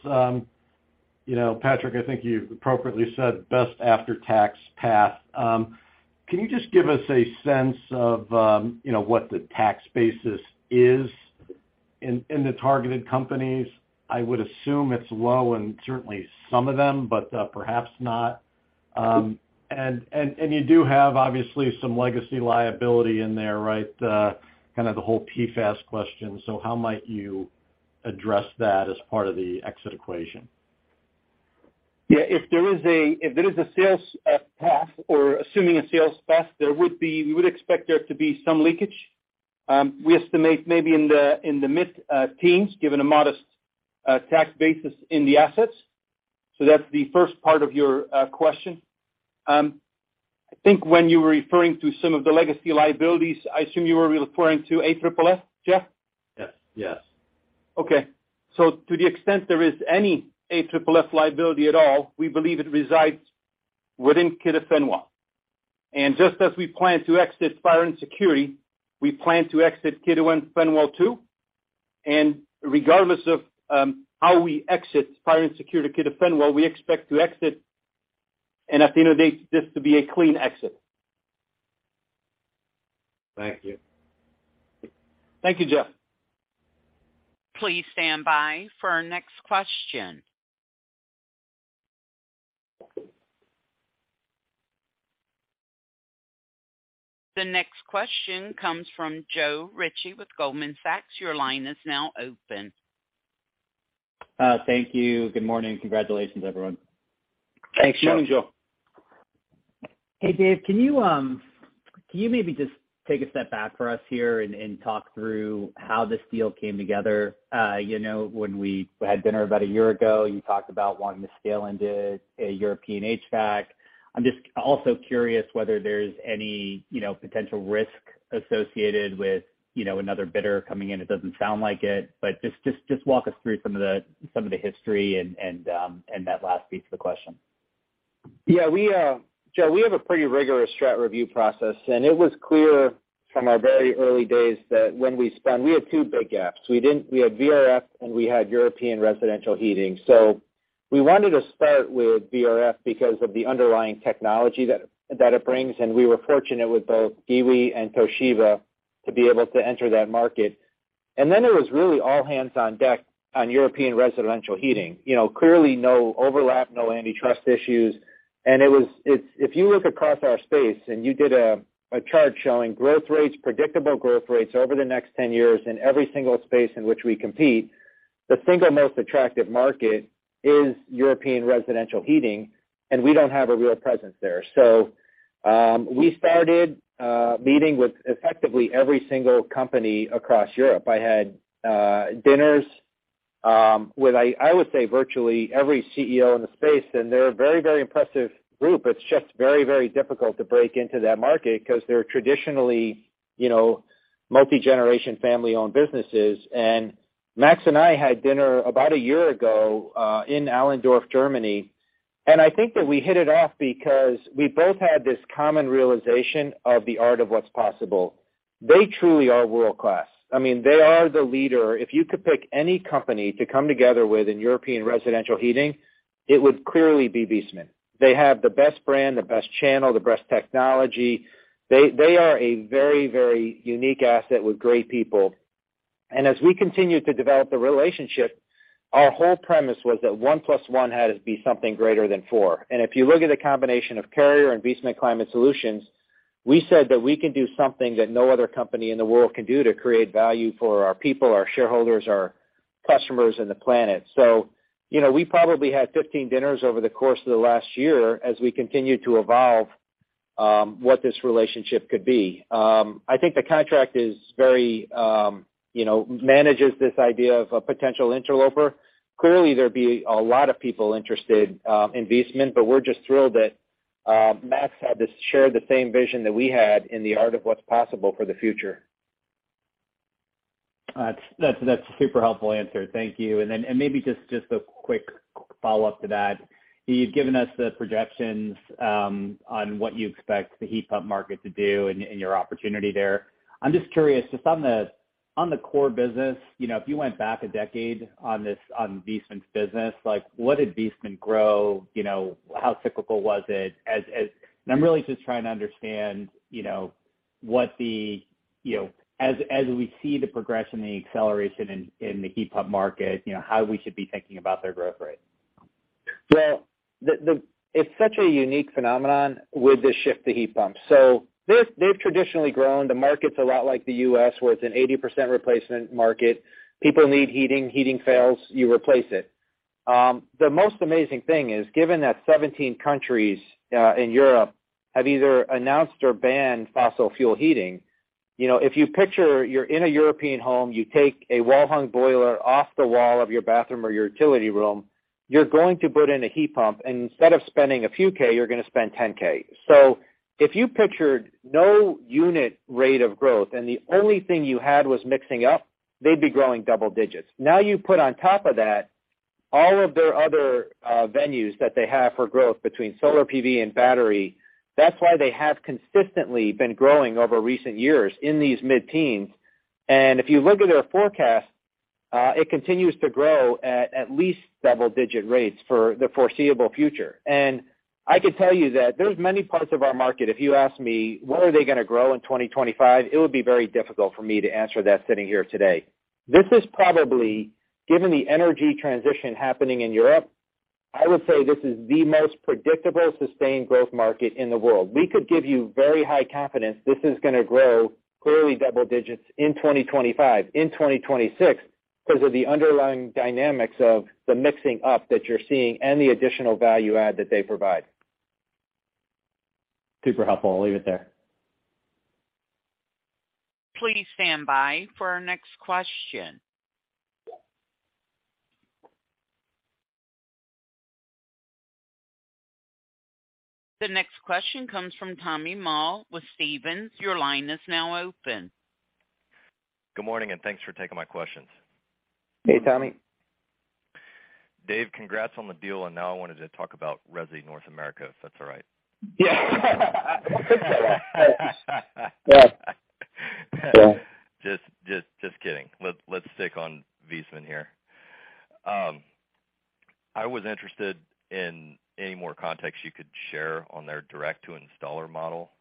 you know, Patrick, I think you appropriately said best after-tax path. Can you just give us a sense of, you know, what the tax basis is in the targeted companies? I would assume it's low in certainly some of them, but perhaps not. You do have, obviously, some legacy liability in there, right? Kind of the whole PFAS question. How might you address that as part of the exit equation? Yeah. If there is a sales path or assuming a sales path, we would expect there to be some leakage. We estimate maybe in the mid-teens, given a modest tax basis in the assets. That's the first part of your question. I think when you were referring to some of the legacy liabilities, I assume you were referring to AFFF, Jeff? Yes. Yes. To the extent there is any AFFF liability at all, we believe it resides within Kidde-Fenwal. Just as we plan to exit fire and security, we plan to exit Kidde-Fenwal too. Regardless of how we exit fire and security Kidde-Fenwal, we expect to exit, and at the end of the day, this to be a clean exit. Thank you. Thank you, Jeff. Please stand by for our next question. The next question comes from Joe Ritchie with Goldman Sachs. Your line is now open. Thank you. Good morning. Congratulations, everyone. Thanks, Joe. Good morning, Joe. Hey, Dave, can you can you maybe just take a step back for us here and talk through how this deal came together? You know, when we had dinner about a year ago, you talked about wanting to scale into a European HVAC. I'm just also curious whether there's any, you know, potential risk associated with, you know, another bidder coming in. It doesn't sound like it, just walk us through some of the history and that last piece of the question. We, Joe, we have a pretty rigorous strat review process. It was clear from our very early days that we had two big gaps. We had VRF, we had European residential heating. We wanted to start with VRF because of the underlying technology that it brings. We were fortunate with both Giwee and Toshiba to be able to enter that market. It was really all hands on deck on European residential heating. You know, clearly no overlap, no antitrust issues. If you look across our space and you did a chart showing growth rates, predictable growth rates over the next 10 years in every single space in which we compete, the single most attractive market is European residential heating. We don't have a real presence there. We started meeting with effectively every single company across Europe. I had dinners with virtually every CEO in the space. They're a very, very impressive group. It's just very, very difficult to break into that market because they're traditionally, you know, multi-generation, family-owned businesses. Max and I had dinner about 1 year ago in Allendorf, Germany. I think that we hit it off because we both had this common realization of the art of what's possible. They truly are world-class. I mean, they are the leader. If you could pick any company to come together with in European residential heating, it would clearly be Viessmann. They have the best brand, the best channel, the best technology. They are a very, very unique asset with great people. As we continued to develop the relationship, our whole premise was that 1 plus 1 had to be something greater than 4. If you look at the combination of Carrier and Viessmann Climate Solutions, we said that we can do something that no other company in the world can do to create value for our people, our shareholders, our customers and the planet. You know, we probably had 15 dinners over the course of the last year as we continued to evolve what this relationship could be. I think the contract is very, you know, manages this idea of a potential interloper. Clearly, there'd be a lot of people interested in Viessmann, but we're just thrilled that Max shared the same vision that we had in the art of what's possible for the future. That's a super helpful answer. Thank you. Maybe just a quick follow-up to that. You've given us the projections, on what you expect the heat pump market to do and your opportunity there. I'm just curious, just on the, on the core business, you know, if you went back a decade on this on Viessmann's business, like what did Viessmann grow? You know, how cyclical was it? I'm really just trying to understand, you know, what the, you know, as we see the progression, the acceleration in the heat pump market, you know, how we should be thinking about their growth rate. Well, it's such a unique phenomenon with the shift to heat pumps. They've traditionally grown. The market's a lot like the US, where it's an 80% replacement market. People need heating fails, you replace it. The most amazing thing is given that 17 countries in Europe have either announced or banned fossil fuel heating, you know, if you picture you're in a European home, you take a wall-hung boiler off the wall of your bathroom or your utility room, you're going to put in a heat pump. Instead of spending a few K, you're gonna spend 10 K. If you pictured no unit rate of growth and the only thing you had was mixing up, they'd be growing double digits. You put on top of that all of their other venues that they have for growth between solar PV and battery. That's why they have consistently been growing over recent years in these mid-teens. If you look at their forecast, it continues to grow at least double-digit rates for the foreseeable future. I could tell you that there's many parts of our market, if you ask me, what are they gonna grow in 2025? It would be very difficult for me to answer that sitting here today. This is probably, given the energy transition happening in Europe, I would say this is the most predictable sustained growth market in the world. We could give you very high confidence this is gonna grow clearly double digits in 2025, in 2026, because of the underlying dynamics of the mixing up that you're seeing and the additional value add that they provide. Super helpful. I'll leave it there. Please stand by for our next question. The next question comes from Tommy Moll with Stephens. Your line is now open. Good morning, thanks for taking my questions. Hey, Tommy. Dave, congrats on the deal. Now I wanted to talk about Resi North America, if that's all right. Yeah. Just kidding. Let's stick on Viessmann here. I was interested in any more context you could share on their direct-to-installer model.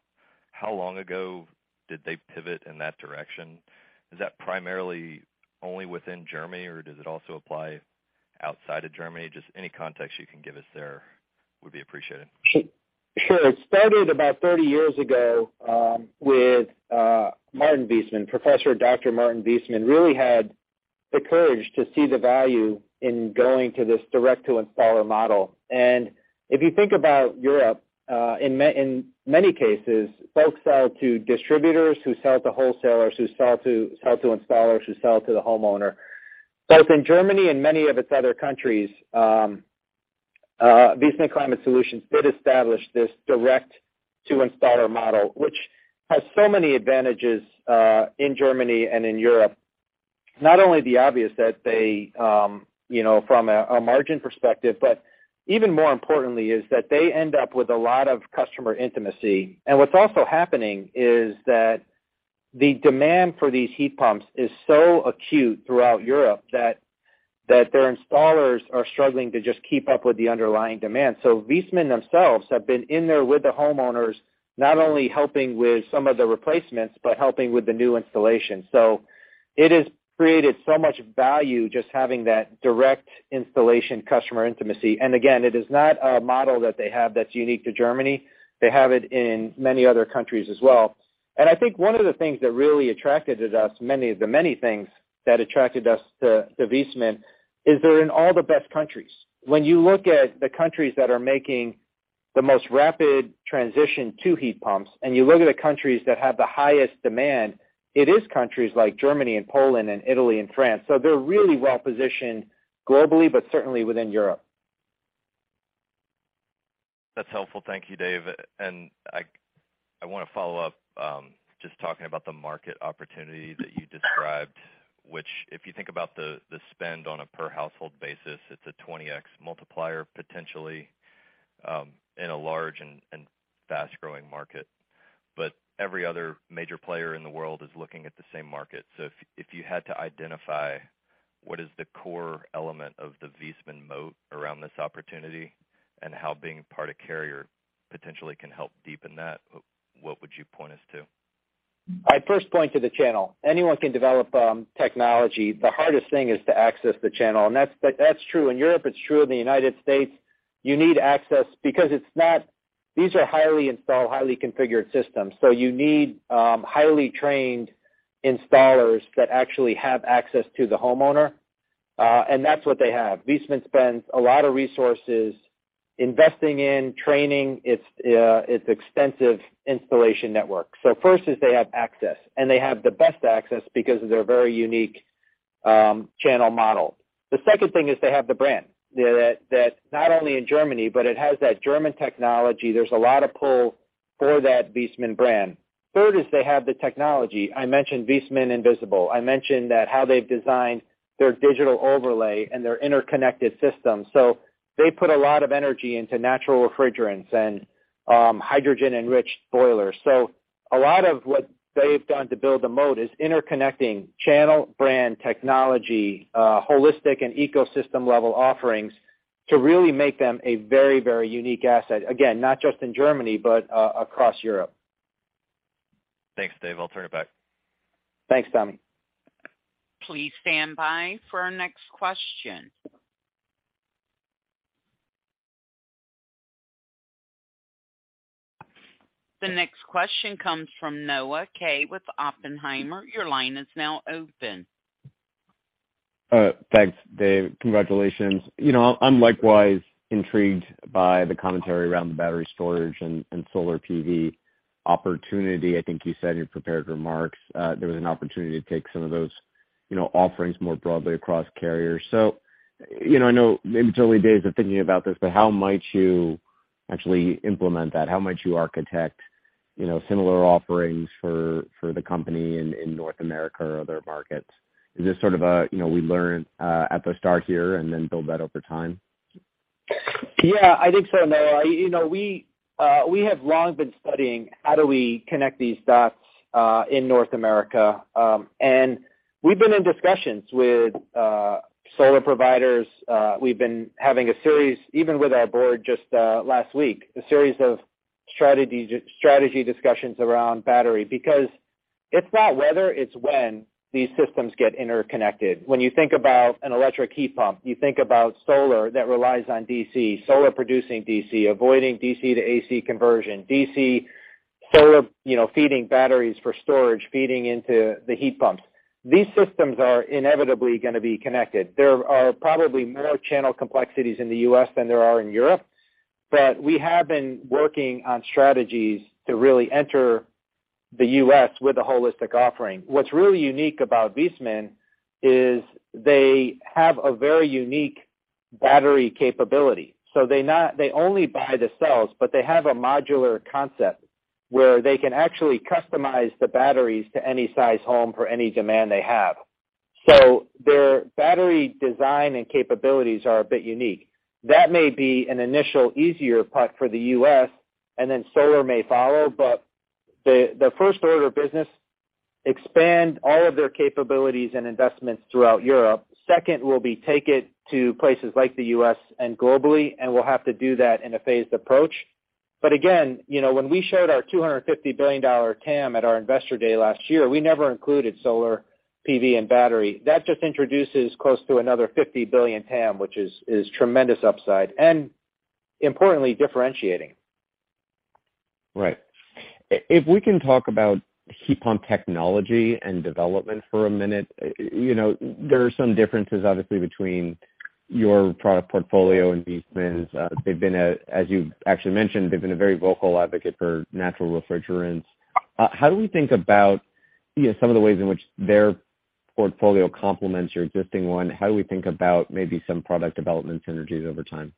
How long ago did they pivot in that direction? Is that primarily only within Germany, or does it also apply outside of Germany? Just any context you can give us there would be appreciated. Sure. It started about 30 years ago with Professor Dr. Martin Viessmann. Professor Dr. Martin Viessmann really had the courage to see the value in going to this direct-to-installer model. If you think about Europe, in many cases, folks sell to distributors who sell to wholesalers who sell to installers who sell to the homeowner. Both in Germany and many of its other countries, Viessmann Climate Solutions did establish this direct-to-installer model, which has so many advantages in Germany and in Europe. Not only the obvious that they, you know, from a margin perspective, but even more importantly is that they end up with a lot of customer intimacy. What's also happening is that the demand for these heat pumps is so acute throughout Europe that their installers are struggling to just keep up with the underlying demand. Viessmann themselves have been in there with the homeowners, not only helping with some of the replacements, but helping with the new installation. It has created so much value just having that direct installation customer intimacy. Again, it is not a model that they have that's unique to Germany. They have it in many other countries as well. I think one of the things that really attracted to us, many of the things that attracted us to Viessmann is they're in all the best countries. When you look at the countries that are making the most rapid transition to heat pumps, and you look at the countries that have the highest demand, it is countries like Germany and Poland and Italy and France. They're really well positioned globally, but certainly within Europe. That's helpful. Thank you, Dave. I wanna follow up, just talking about the market opportunity that you described, which if you think about the spend on a per household basis, it's a 20x multiplier potentially, in a large and fast-growing market. Every other major player in the world is looking at the same market. If you had to identify what is the core element of the Viessmann moat around this opportunity and how being part of Carrier potentially can help deepen that, what would you point us to? I'd first point to the channel. Anyone can develop technology. The hardest thing is to access the channel. That's true in Europe, it's true in the United States. You need access because these are highly installed, highly configured systems, so you need highly trained installers that actually have access to the homeowner. That's what they have. Viessmann spends a lot of resources investing in training its extensive installation network. First is they have access, and they have the best access because of their very unique channel model. The second thing is they have the brand. That not only in Germany, but it has that German technology. There's a lot of pull for that Viessmann brand. Third is they have the technology. I mentioned Viessmann Invisible. I mentioned that how they've designed their digital overlay and their interconnected system. They put a lot of energy into natural refrigerants and hydrogen-enriched boilers. A lot of what they've done to build a moat is interconnecting channel, brand, technology, holistic, and ecosystem-level offerings to really make them a very, very unique asset. Again, not just in Germany, but across Europe. Thanks, Dave. I'll turn it back. Thanks, Tommy. Please stand by for our next question. The next question comes from Noah Kaye with Oppenheimer. Your line is now open. Thanks, Dave. Congratulations. You know, I'm likewise intrigued by the commentary around the battery storage and solar PV opportunity. I think you said in your prepared remarks, there was an opportunity to take You know, offerings more broadly across Carrier. You know, I know maybe it's early days of thinking about this, but how might you actually implement that? How might you architect, you know, similar offerings for the company in North America or other markets? Is this sort of a, you know, we learn at the start here and then build that over time? I think so, Noah. You know, we have long been studying how do we connect these dots in North America. We've been in discussions with solar providers. We've been having a series, even with our board just last week, a series of strategy discussions around battery because it's not whether, it's when these systems get interconnected. When you think about an electric heat pump, you think about solar that relies on DC, solar producing DC, avoiding DC to AC conversion, DC solar, you know, feeding batteries for storage, feeding into the heat pumps. These systems are inevitably gonna be connected. There are probably more channel complexities in the US than there are in Europe. We have been working on strategies to really enter the US with a holistic offering. What's really unique about Viessmann is they have a very unique battery capability. They only buy the cells, but they have a modular concept where they can actually customize the batteries to any size home for any demand they have. Their battery design and capabilities are a bit unique. That may be an initial easier putt for the US, and then solar may follow. The first order of business, expand all of their capabilities and investments throughout Europe. Second will be take it to places like the US and globally, and we'll have to do that in a phased approach. Again, you know, when we showed our $250 billion TAM at our investor day last year, we never included solar PV and battery. That just introduces close to another $50 billion TAM, which is tremendous upside and importantly differentiating. If we can talk about heat pump technology and development for a minute. You know, there are some differences obviously between your product portfolio and Viessmann's. As you've actually mentioned, they've been a very vocal advocate for natural refrigerants. How do we think about, you know, some of the ways in which their portfolio complements your existing one? How do we think about maybe some product development synergies over time?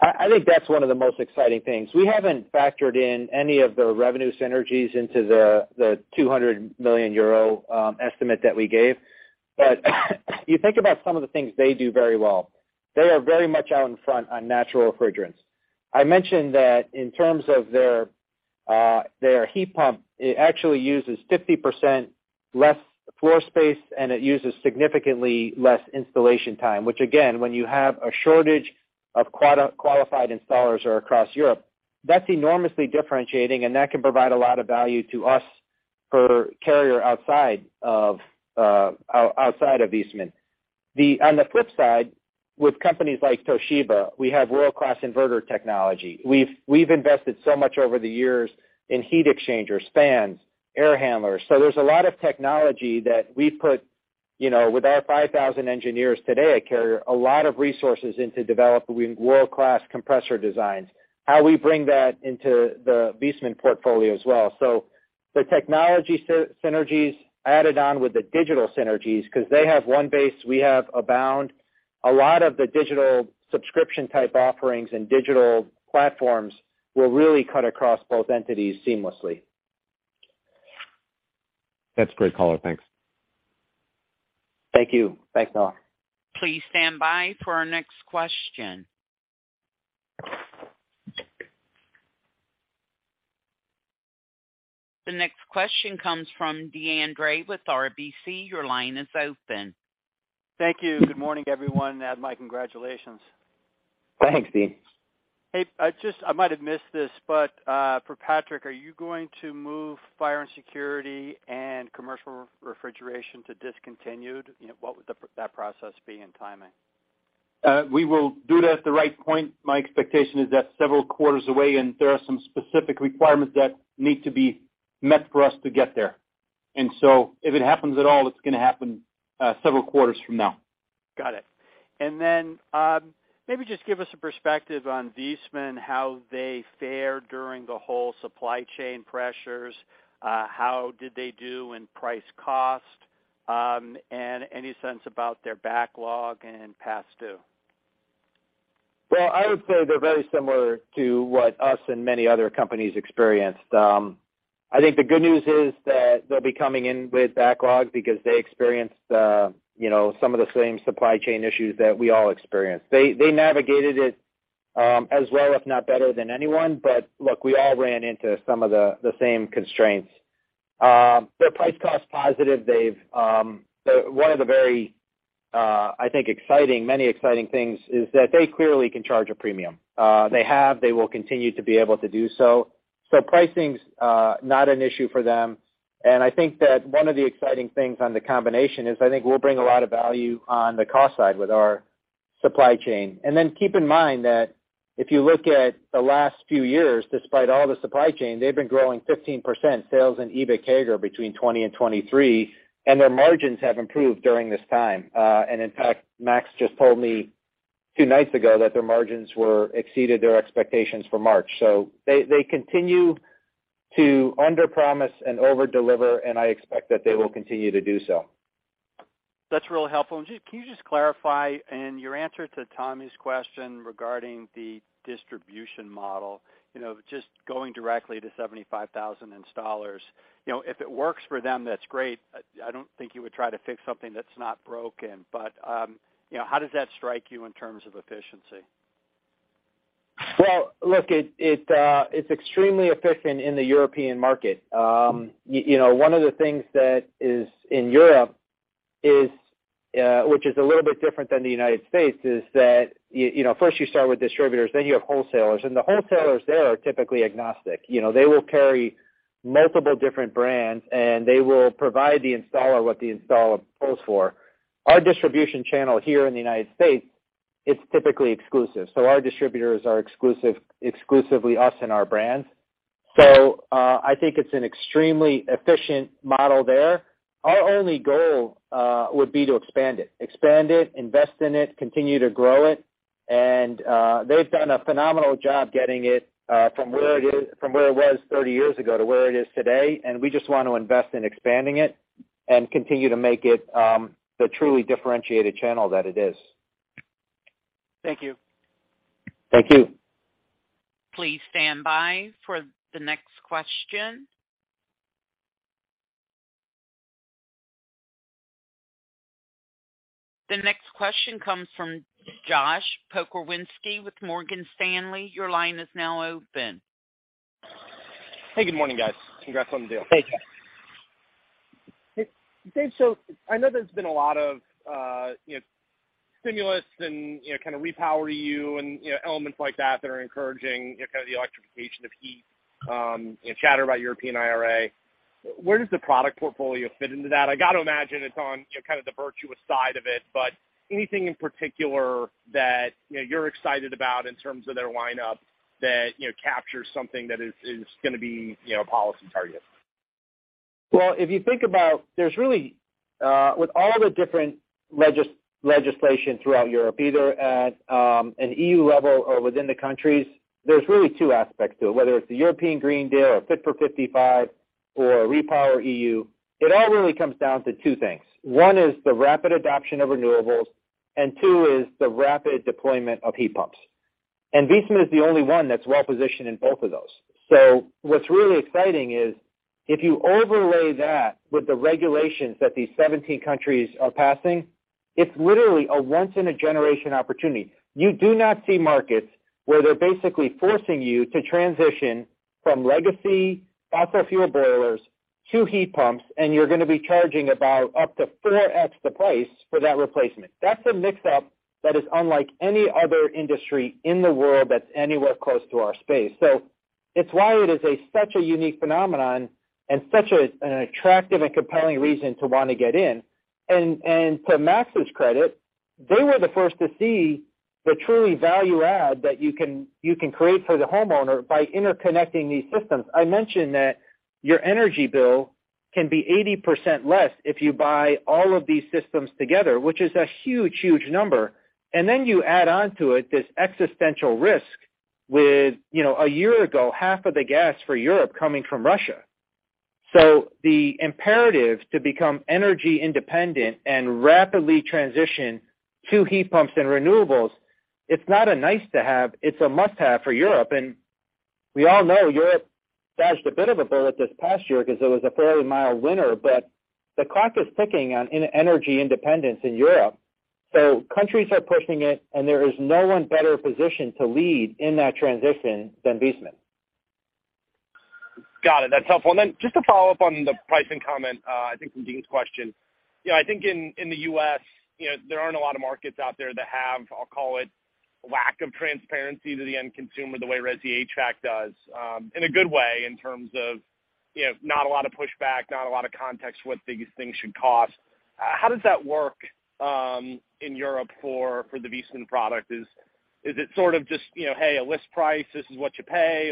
I think that's one of the most exciting things. We haven't factored in any of the revenue synergies into the 200 million euro estimate that we gave. You think about some of the things they do very well. They are very much out in front on natural refrigerants. I mentioned that in terms of their heat pump, it actually uses 50% less floor space, and it uses significantly less installation time, which again, when you have a shortage of qualified installers or across Europe, that's enormously differentiating, and that can provide a lot of value to us per Carrier outside of Viessmann. On the flip side, with companies like Toshiba, we have world-class inverter technology. We've invested so much over the years in heat exchangers, fans, air handlers. There's a lot of technology that we put, you know, with our 5,000 engineers today at Carrier, a lot of resources into developing world-class compressor designs, how we bring that into the Viessmann portfolio as well. The technology synergies added on with the digital synergies because they have One Base, we have Abound. A lot of the digital subscription type offerings and digital platforms will really cut across both entities seamlessly. That's great, Colin. Thanks. Thank you. Thanks, Noah. Please stand by for our next question. The next question comes from Deane Dray with RBC. Your line is open. Thank you. Good morning, everyone. Andrew, my congratulations. Thanks, Deane. Hey, I might have missed this, but for Patrick, are you going to move fire and security and commercial refrigeration to discontinued? You know, what would that process be and timing? We will do that at the right point. My expectation is that's several quarters away, and there are some specific requirements that need to be met for us to get there. If it happens at all, it's gonna happen several quarters from now. Got it. Then, maybe just give us a perspective on Viessmann, how they fared during the whole supply chain pressures, how did they do in price cost, and any sense about their backlog and past due? I would say they're very similar to what us and many other companies experienced. I think the good news is that they'll be coming in with backlog because they experienced, you know, some of the same supply chain issues that we all experienced. They navigated it as well, if not better than anyone. Look, we all ran into some of the same constraints. They're price cost positive. They've. One of the very, I think exciting, many exciting things is that they clearly can charge a premium. They have. They will continue to be able to do so. Pricing's not an issue for them. I think that one of the exciting things on the combination is I think we'll bring a lot of value on the cost side with our supply chain. Keep in mind that if you look at the last few years, despite all the supply chain, they've been growing 15% sales and EBIT CAGR between 2020 and 2023, and their margins have improved during this time. In fact, Max just told me two nights ago that their margins were exceeded their expectations for March. They continue to underpromise and overdeliver, and I expect that they will continue to do so. That's really helpful. Can you just clarify in your answer to Tommy's question regarding the distribution model, you know, just going directly to 75,000 installers, you know, if it works for them, that's great. I don't think you would try to fix something that's not broken. But, you know, how does that strike you in terms of efficiency? Well, look, it's extremely efficient in the European market. You know, one of the things that is in Europe is, which is a little bit different than the United States, is that you know, first you start with distributors, then you have wholesalers. The wholesalers there are typically agnostic. You know, they will carry multiple different brands, and they will provide the installer what the installer calls for. Our distribution channel here in the United States, it's typically exclusive. Our distributors are exclusively us and our brands. I think it's an extremely efficient model there. Our only goal would be to expand it. Expand it, invest in it, continue to grow it. They've done a phenomenal job getting it from where it was 30 years ago to where it is today. We just want to invest in expanding it and continue to make it, the truly differentiated channel that it is. Thank you. Thank you. Please stand by for the next question. The next question comes from Josh Pokrzywinski with Morgan Stanley. Your line is now open. Hey, good morning, guys. Congrats on the deal. Hey. Hey, Dave, I know there's been a lot of, you know, stimulus and, you know, kind of REPowerEU and, you know, elements like that that are encouraging, you know, kind of the electrification of heat, you know, chatter about European IRA. Where does the product portfolio fit into that? I got to imagine it's on, you know, kind of the virtuous side of it, but anything in particular that, you know, you're excited about in terms of their lineup that, you know, captures something that is gonna be, you know, a policy target? Well, if you think about, there's really, with all the different legislation throughout Europe, either at an EU level or within the countries, there's really two aspects to it, whether it's the European Green Deal or Fit for 55 or REPowerEU, it all really comes down to two things. One is the rapid adoption of renewables, and two is the rapid deployment of heat pumps. Viessmann is the only one that's well positioned in both of those. What's really exciting is if you overlay that with the regulations that these 17 countries are passing, it's literally a once in a generation opportunity. You do not see markets where they're basically forcing you to transition from legacy fossil fuel boilers to heat pumps, and you're gonna be charging about up to 4x the price for that replacement. That's a mix-up that is unlike any other industry in the world that's anywhere close to our space. It's why it is a such a unique phenomenon and such a, an attractive and compelling reason to wanna get in. To Max's credit, they were the first to see the truly value add that you can create for the homeowner by interconnecting these systems. I mentioned that your energy bill can be 80% less if you buy all of these systems together, which is a huge, huge number. You add onto it this existential risk with, you know, a year ago, half of the gas for Europe coming from Russia. The imperatives to become energy independent and rapidly transition to heat pumps and renewables, it's not a nice to have, it's a must-have for Europe. We all know Europe dodged a bit of a bullet this past year 'cause it was a fairly mild winter. The clock is ticking on energy independence in Europe, so countries are pushing it, and there is no one better positioned to lead in that transition than Viessmann. Got it. That's helpful. Then just to follow up on the pricing comment, I think from Deane Dray's question. You know, I think in the U.S., you know, there aren't a lot of markets out there that have, I'll call it, lack of transparency to the end consumer the way resi HVAC does, in a good way, in terms of, you know, not a lot of pushback, not a lot of context what these things should cost. How does that work in Europe for the Viessmann product? Is it sort of just, you know, hey, a list price, this is what you pay?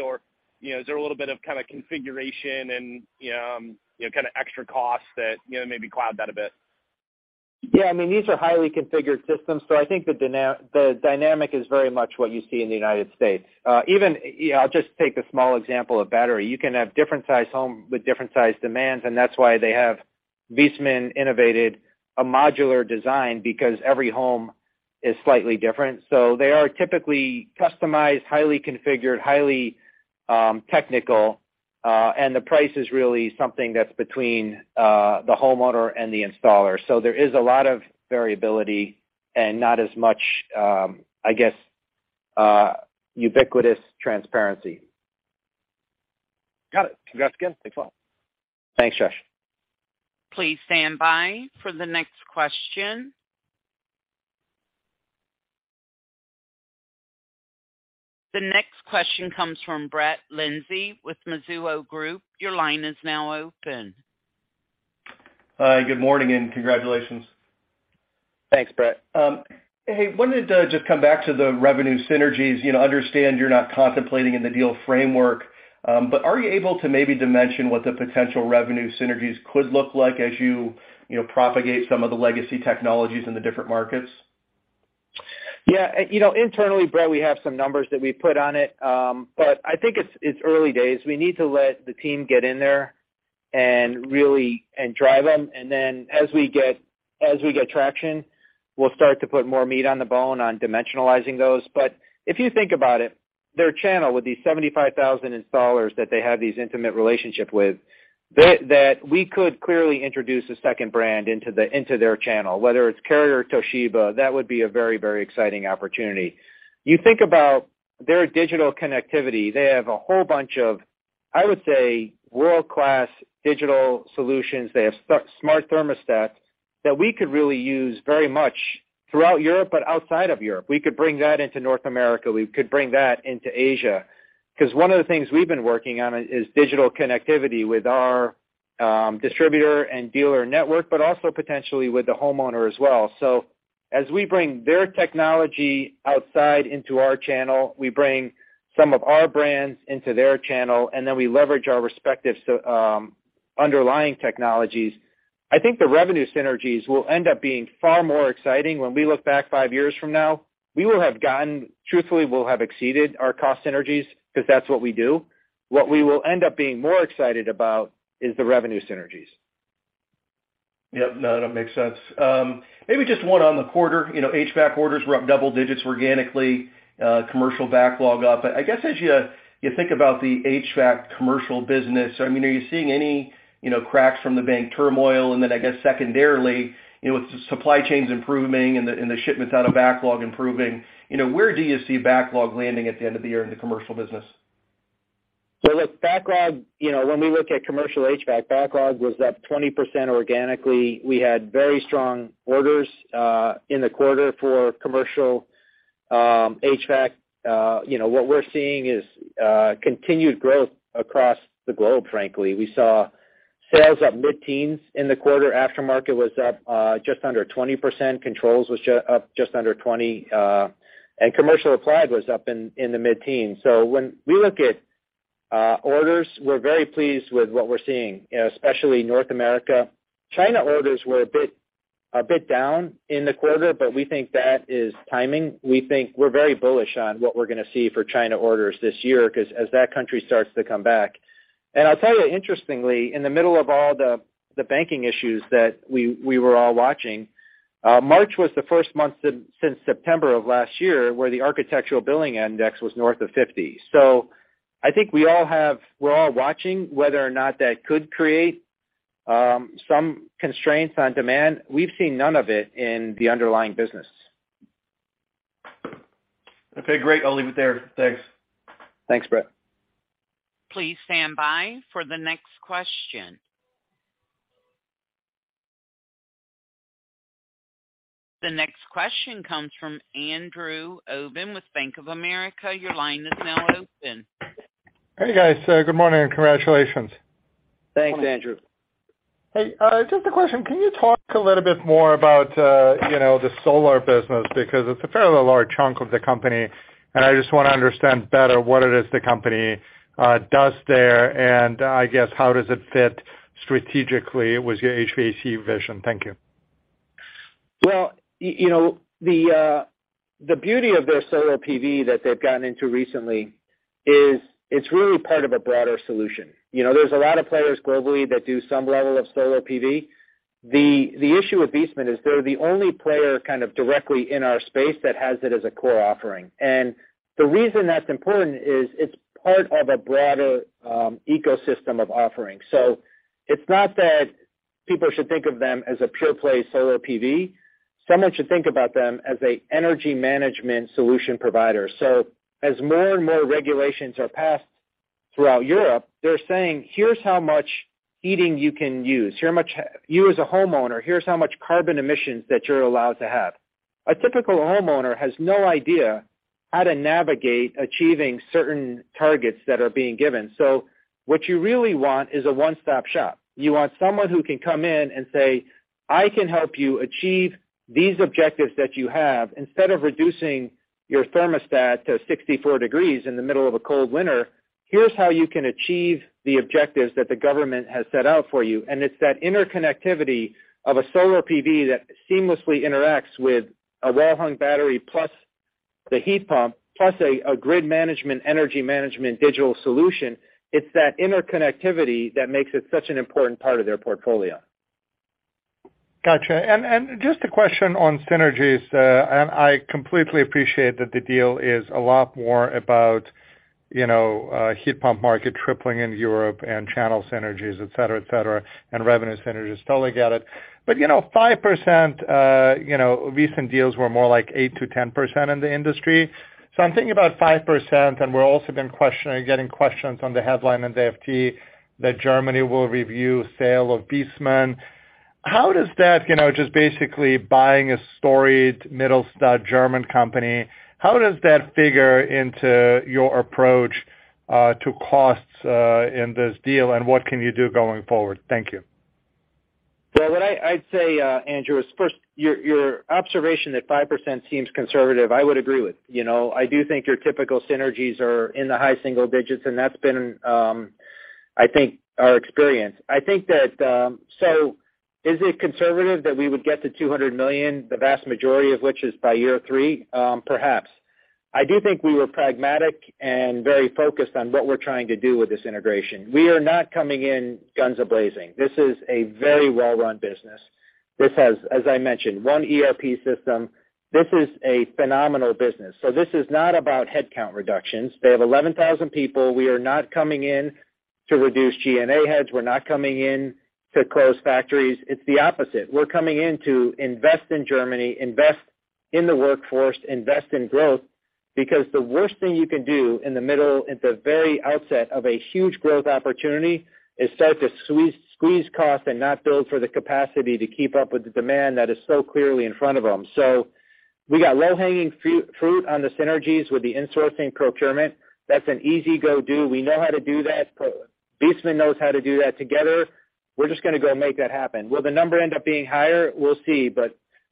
You know, is there a little bit of kinda configuration and, you know, kinda extra costs that, you know, maybe cloud that a bit? Yeah. I mean, these are highly configured systems. I think the dynamic is very much what you see in the United States. Even, you know, I'll just take the small example of battery. You can have different size home with different size demands, and that's why they have Viessmann innovated a modular design because every home is slightly different. They are typically customized, highly configured, highly technical, and the price is really something that's between the homeowner and the installer. There is a lot of variability and not as much, I guess, ubiquitous transparency. Got it. Congrats again. Thanks a lot. Thanks, Josh. Please stand by for the next question. The next question comes from Brett Linzey with Mizuho. Your line is now open. Good morning and congratulations. Thanks, Brett. Hey, wanted to just come back to the revenue synergies. You know, understand you're not contemplating in the deal framework, but are you able to maybe dimension what the potential revenue synergies could look like as you know, propagate some of the legacy technologies in the different markets? You know, internally, Brett, we have some numbers that we put on it. I think it's early days. We need to let the team get in there and really, and drive them. As we get traction, we'll start to put more meat on the bone on dimensionalizing those. If you think about it, their channel with these 75,000 installers that they have these intimate relationship with, that we could clearly introduce a second brand into their channel, whether it's Carrier or Toshiba, that would be a very, very exciting opportunity. You think about their digital connectivity, they have a whole bunch of, I would say, world-class digital solutions. They have smart thermostats that we could really use very much throughout Europe, but outside of Europe. We could bring that into North America, we could bring that into Asia. One of the things we've been working on is digital connectivity with our distributor and dealer network, but also potentially with the homeowner as well. As we bring their technology outside into our channel, we bring some of our brands into their channel, we leverage our respective underlying technologies. I think the revenue synergies will end up being far more exciting when we look back five years from now. We will have gotten truthfully, we'll have exceeded our cost synergies because that's what we do. What we will end up being more excited about is the revenue synergies. Yep, no, that makes sense. Maybe just one on the quarter. You know, HVAC orders were up double digits organically, commercial backlog up. I guess, as you think about the HVAC commercial business, I mean, are you seeing any, you know, cracks from the bank turmoil? Then I guess secondarily, you know, with the supply chains improving and the shipments out of backlog improving, you know, where do you see backlog landing at the end of the year in the commercial business? Look, backlog, you know, when we look at commercial HVAC, backlog was up 20% organically. We had very strong orders in the quarter for commercial HVAC. You know, what we're seeing is continued growth across the globe, frankly. We saw sales up mid-teens in the quarter. Aftermarket was up just under 20%. Controls was up just under 20% and commercial applied was up in the mid-teens. When we look at orders, we're very pleased with what we're seeing, especially North America. China orders were a bit down in the quarter, but we think that is timing. We think we're very bullish on what we're gonna see for China orders this year because as that country starts to come back. I'll tell you interestingly, in the middle of all the banking issues that we were all watching, March was the first month since September of last year where the Architecture Billings Index was north of 50. I think we're all watching whether or not that could create some constraints on demand. We've seen none of it in the underlying business. Okay, great. I'll leave it there. Thanks. Thanks, Brett. Please stand by for the next question. The next question comes from Andrew Obin with Bank of America. Your line is now open. Hey, guys, good morning and congratulations. Thanks, Andrew. Hey, just a question. Can you talk a little bit more about, you know, the solar business? It's a fairly large chunk of the company, and I just want to understand better what it is the company does there, and I guess how does it fit strategically with your HVAC vision? Thank you. Well, you know, the beauty of their solar PV that they've gotten into recently is it's really part of a broader solution. You know, there's a lot of players globally that do some level of solar PV. The issue with Viessmann is they're the only player kind of directly in our space that has it as a core offering. The reason that's important is it's part of a broader ecosystem of offerings. It's not that people should think of them as a pure play solar PV. Someone should think about them as a energy management solution provider. As more and more regulations are passed throughout Europe, they're saying, "Here's how much heating you can use. Here's how much, you as a homeowner, here's how much carbon emissions that you're allowed to have." A typical homeowner has no idea how to navigate achieving certain targets that are being given. What you really want is a one-stop shop. You want someone who can come in and say, "I can help you achieve these objectives that you have. Instead of reducing your thermostat to 64 degrees in the middle of a cold winter, here's how you can achieve the objectives that the government has set out for you." It's that interconnectivity of a solar PV that seamlessly interacts with a wall-hung battery plus the heat pump, plus a grid management, energy management digital solution. It's that interconnectivity that makes it such an important part of their portfolio. Gotcha. Just a question on synergies. I completely appreciate that the deal is a lot more about, you know, heat pump market tripling in Europe and channel synergies, et cetera, et cetera, and revenue synergies. Totally get it. You know, 5%, you know, recent deals were more like 8%-10% in the industry. I'm thinking about 5%, and we're also been questioning, getting questions on the headline in the FT that Germany will review sale of Viessmann. How does that, you know, just basically buying a storied Mittelstand German company, how does that figure into your approach to costs in this deal, and what can you do going forward? Thank you. Yeah. What I'd say, Andrew, is first, your observation that 5% seems conservative, I would agree with. You know, I do think your typical synergies are in the high single digits, and that's been. I think our experience. I think that. Is it conservative that we would get to $200 million, the vast majority of which is by year three? Perhaps. I do think we were pragmatic and very focused on what we're trying to do with this integration. We are not coming in guns a-blazing. This is a very well-run business. This has, as I mentioned, one ERP system. This is a phenomenal business. This is not about headcount reductions. They have 11,000 people. We are not coming in to reduce SG&A heads. We're not coming in to close factories. It's the opposite. We're coming in to invest in Germany, invest in the workforce, invest in growth. The worst thing you can do in the middle, at the very outset of a huge growth opportunity is start to squeeze costs and not build for the capacity to keep up with the demand that is so clearly in front of them. We got low-hanging fruit on the synergies with the insourcing procurement. That's an easy go-do. We know how to do that. Viessmann knows how to do that together. We're just gonna go make that happen. Will the number end up being higher? We'll see.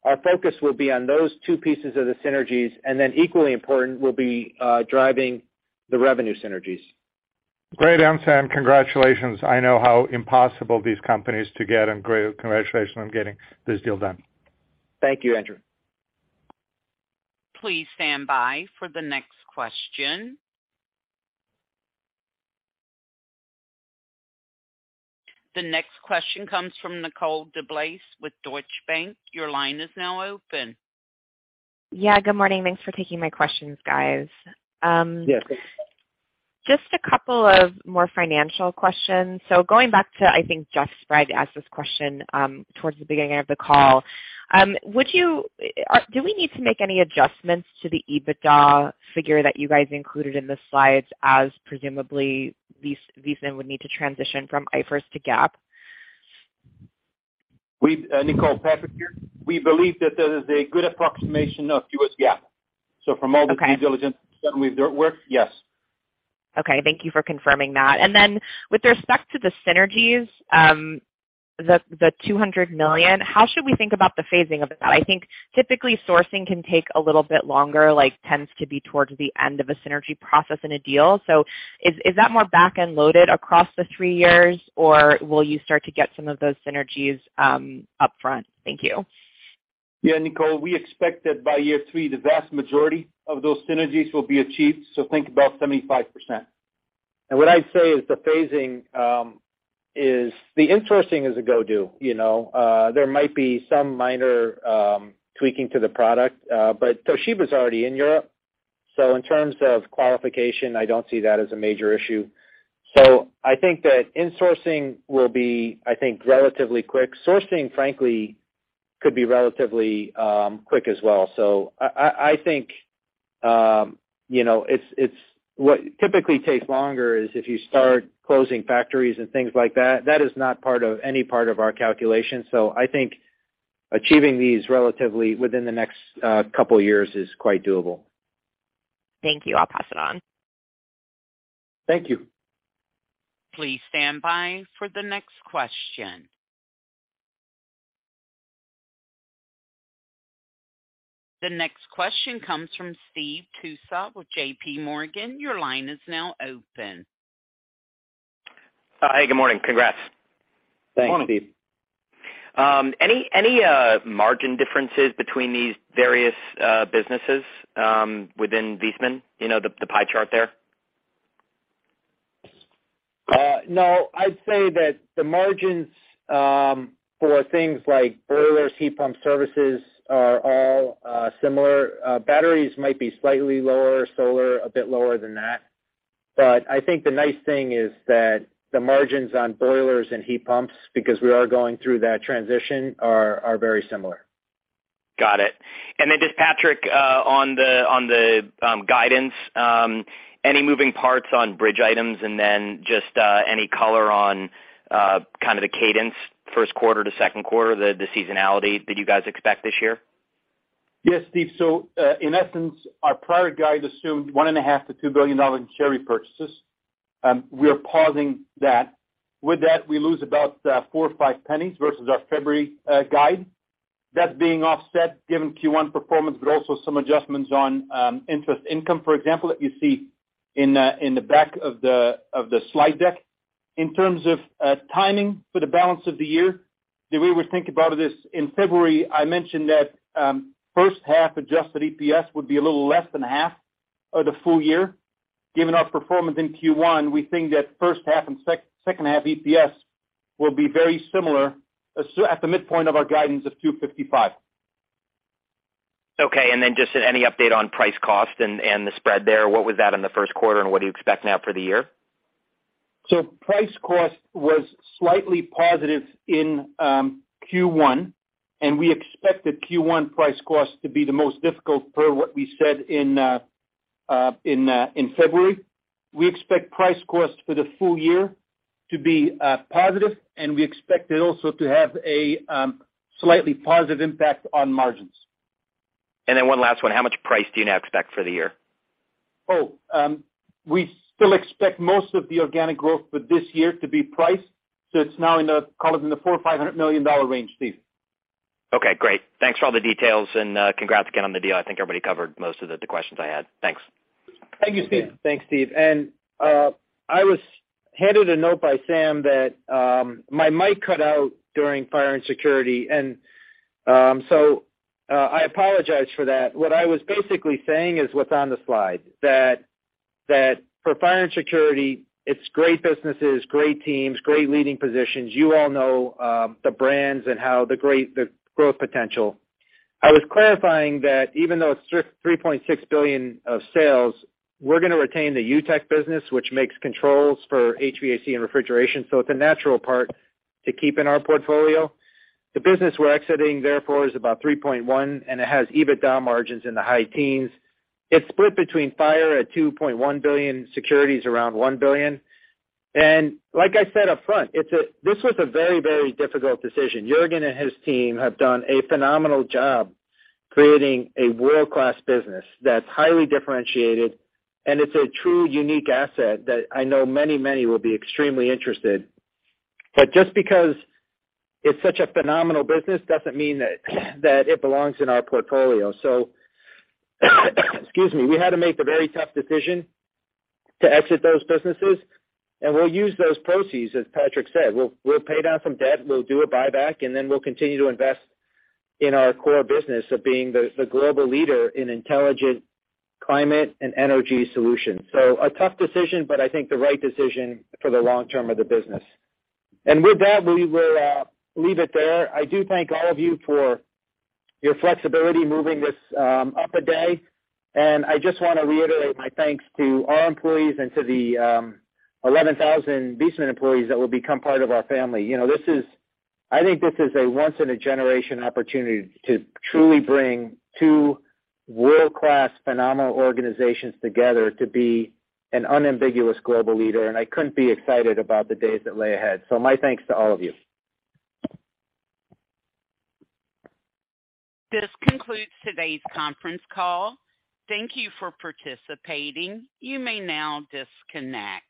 Our focus will be on those two pieces of the synergies, and then equally important will be driving the revenue synergies. Great answer. Congratulations. I know how impossible these companies to get, and great. Congratulations on getting this deal done. Thank you, Andrew. Please stand by for the next question. The next question comes from Nicole DeBlase with Deutsche Bank. Your line is now open. Yeah, good morning. Thanks for taking my questions, guys. Yes. Just a couple of more financial questions. Going back to, I think Jeffrey Sprague asked this question towards the beginning of the call. Do we need to make any adjustments to the EBITDA figure that you guys included in the slides, as presumably Viessmann would need to transition from IFRS to GAAP? We, Nicole, Patrick here. We believe that there is a good approximation of U.S. GAAP. Okay. From all the due diligence that we've done work, yes. Okay, thank you for confirming that. With respect to the synergies, the $200 million, how should we think about the phasing of that? I think typically sourcing can take a little bit longer, like tends to be towards the end of a synergy process in a deal. Is that more back-end loaded across the three years, or will you start to get some of those synergies upfront? Thank you. Nicole. We expect that by year three, the vast majority of those synergies will be achieved, so think about 75%. What I'd say is the phasing is the interesting is a go do, you know. There might be some minor tweaking to the product, but Toshiba's already in Europe, so in terms of qualification, I don't see that as a major issue. I think that insourcing will be, I think, relatively quick. Sourcing, frankly, could be relatively quick as well. I think, you know, what typically takes longer is if you start closing factories and things like that is not part of any part of our calculation. I think achieving these relatively within the next couple years is quite doable. Thank you. I'll pass it on. Thank you. Please stand by for the next question. The next question comes from Stephen Tusa with J.P. Morgan. Your line is now open. Hey, good morning. Congrats. Good morning. Thanks, Steve. Any margin differences between these various businesses within Viessmann? You know, the pie chart there? No. I'd say that the margins for things like boilers, heat pump services are all similar. Batteries might be slightly lower, solar a bit lower than that. I think the nice thing is that the margins on boilers and heat pumps, because we are going through that transition, are very similar. Got it. Just Patrick, on the guidance, any moving parts on bridge items and then just any color on kind of the cadence first quarter to second quarter, the seasonality that you guys expect this year? Yes, Steve. In essence, our prior guide assumed $1.5 billion-$2 billion in share repurchases. We are pausing that. With that, we lose about $0.04 or $0.05 versus our February guide. That being offset given Q1 performance, but also some adjustments on interest income, for example, that you see in the back of the slide deck. In terms of timing for the balance of the year, the way we think about this, in February, I mentioned that first half adjusted EPS would be a little less than half of the full year. Given our performance in Q1, we think that first half and second half EPS will be very similar, at the midpoint of our guidance of $2.55. Okay. Just any update on price cost and the spread there? What was that in the first quarter, what do you expect now for the year? Price cost was slightly positive in Q1, and we expected Q1 price cost to be the most difficult per what we said in February. We expect price cost for the full year to be positive, and we expect it also to have a slightly positive impact on margins. One last one. How much price do you now expect for the year? We still expect most of the organic growth for this year to be price, it's now call it in the $400 million-$500 million range, Steve. Okay, great. Thanks for all the details. Congrats again on the deal. I think everybody covered most of the questions I had. Thanks. Thank you, Steve. I was handed a note by Sam that my mic cut out during fire and security. I apologize for that. What I was basically saying is what's on the slide. That for fire and security, it's great businesses, great teams, great leading positions. You all know the brands and how the great the growth potential. I was clarifying that even though it's $3.6 billion of sales, we're going to retain the UTEC business, which makes controls for HVAC and refrigeration. It's a natural part to keep in our portfolio. The business we're exiting, therefore, is about $3.1 billion, and it has EBITDA margins in the high teens. It's split between fire at $2.1 billion, security is around $1 billion. Like I said up front, this was a very, very difficult decision. Juergen and his team have done a phenomenal job creating a world-class business that's highly differentiated, and it's a true unique asset that I know many will be extremely interested. Just because it's such a phenomenal business doesn't mean that it belongs in our portfolio. Excuse me, we had to make the very tough decision to exit those businesses, and we'll use those proceeds, as Patrick said. We'll pay down some debt, we'll do a buyback, and then we'll continue to invest in our core business of being the global leader in intelligent climate and energy solutions. A tough decision, but I think the right decision for the long term of the business. With that, we will leave it there. I do thank all of you for your flexibility moving this up a day. I just wanna reiterate my thanks to our employees and to the 11,000 Viessmann employees that will become part of our family. You know, I think this is a once in a generation opportunity to truly bring two world-class phenomenal organizations together to be an unambiguous global leader, and I couldn't be excited about the days that lay ahead. My thanks to all of you. This concludes today's conference call. Thank you for participating. You may now disconnect.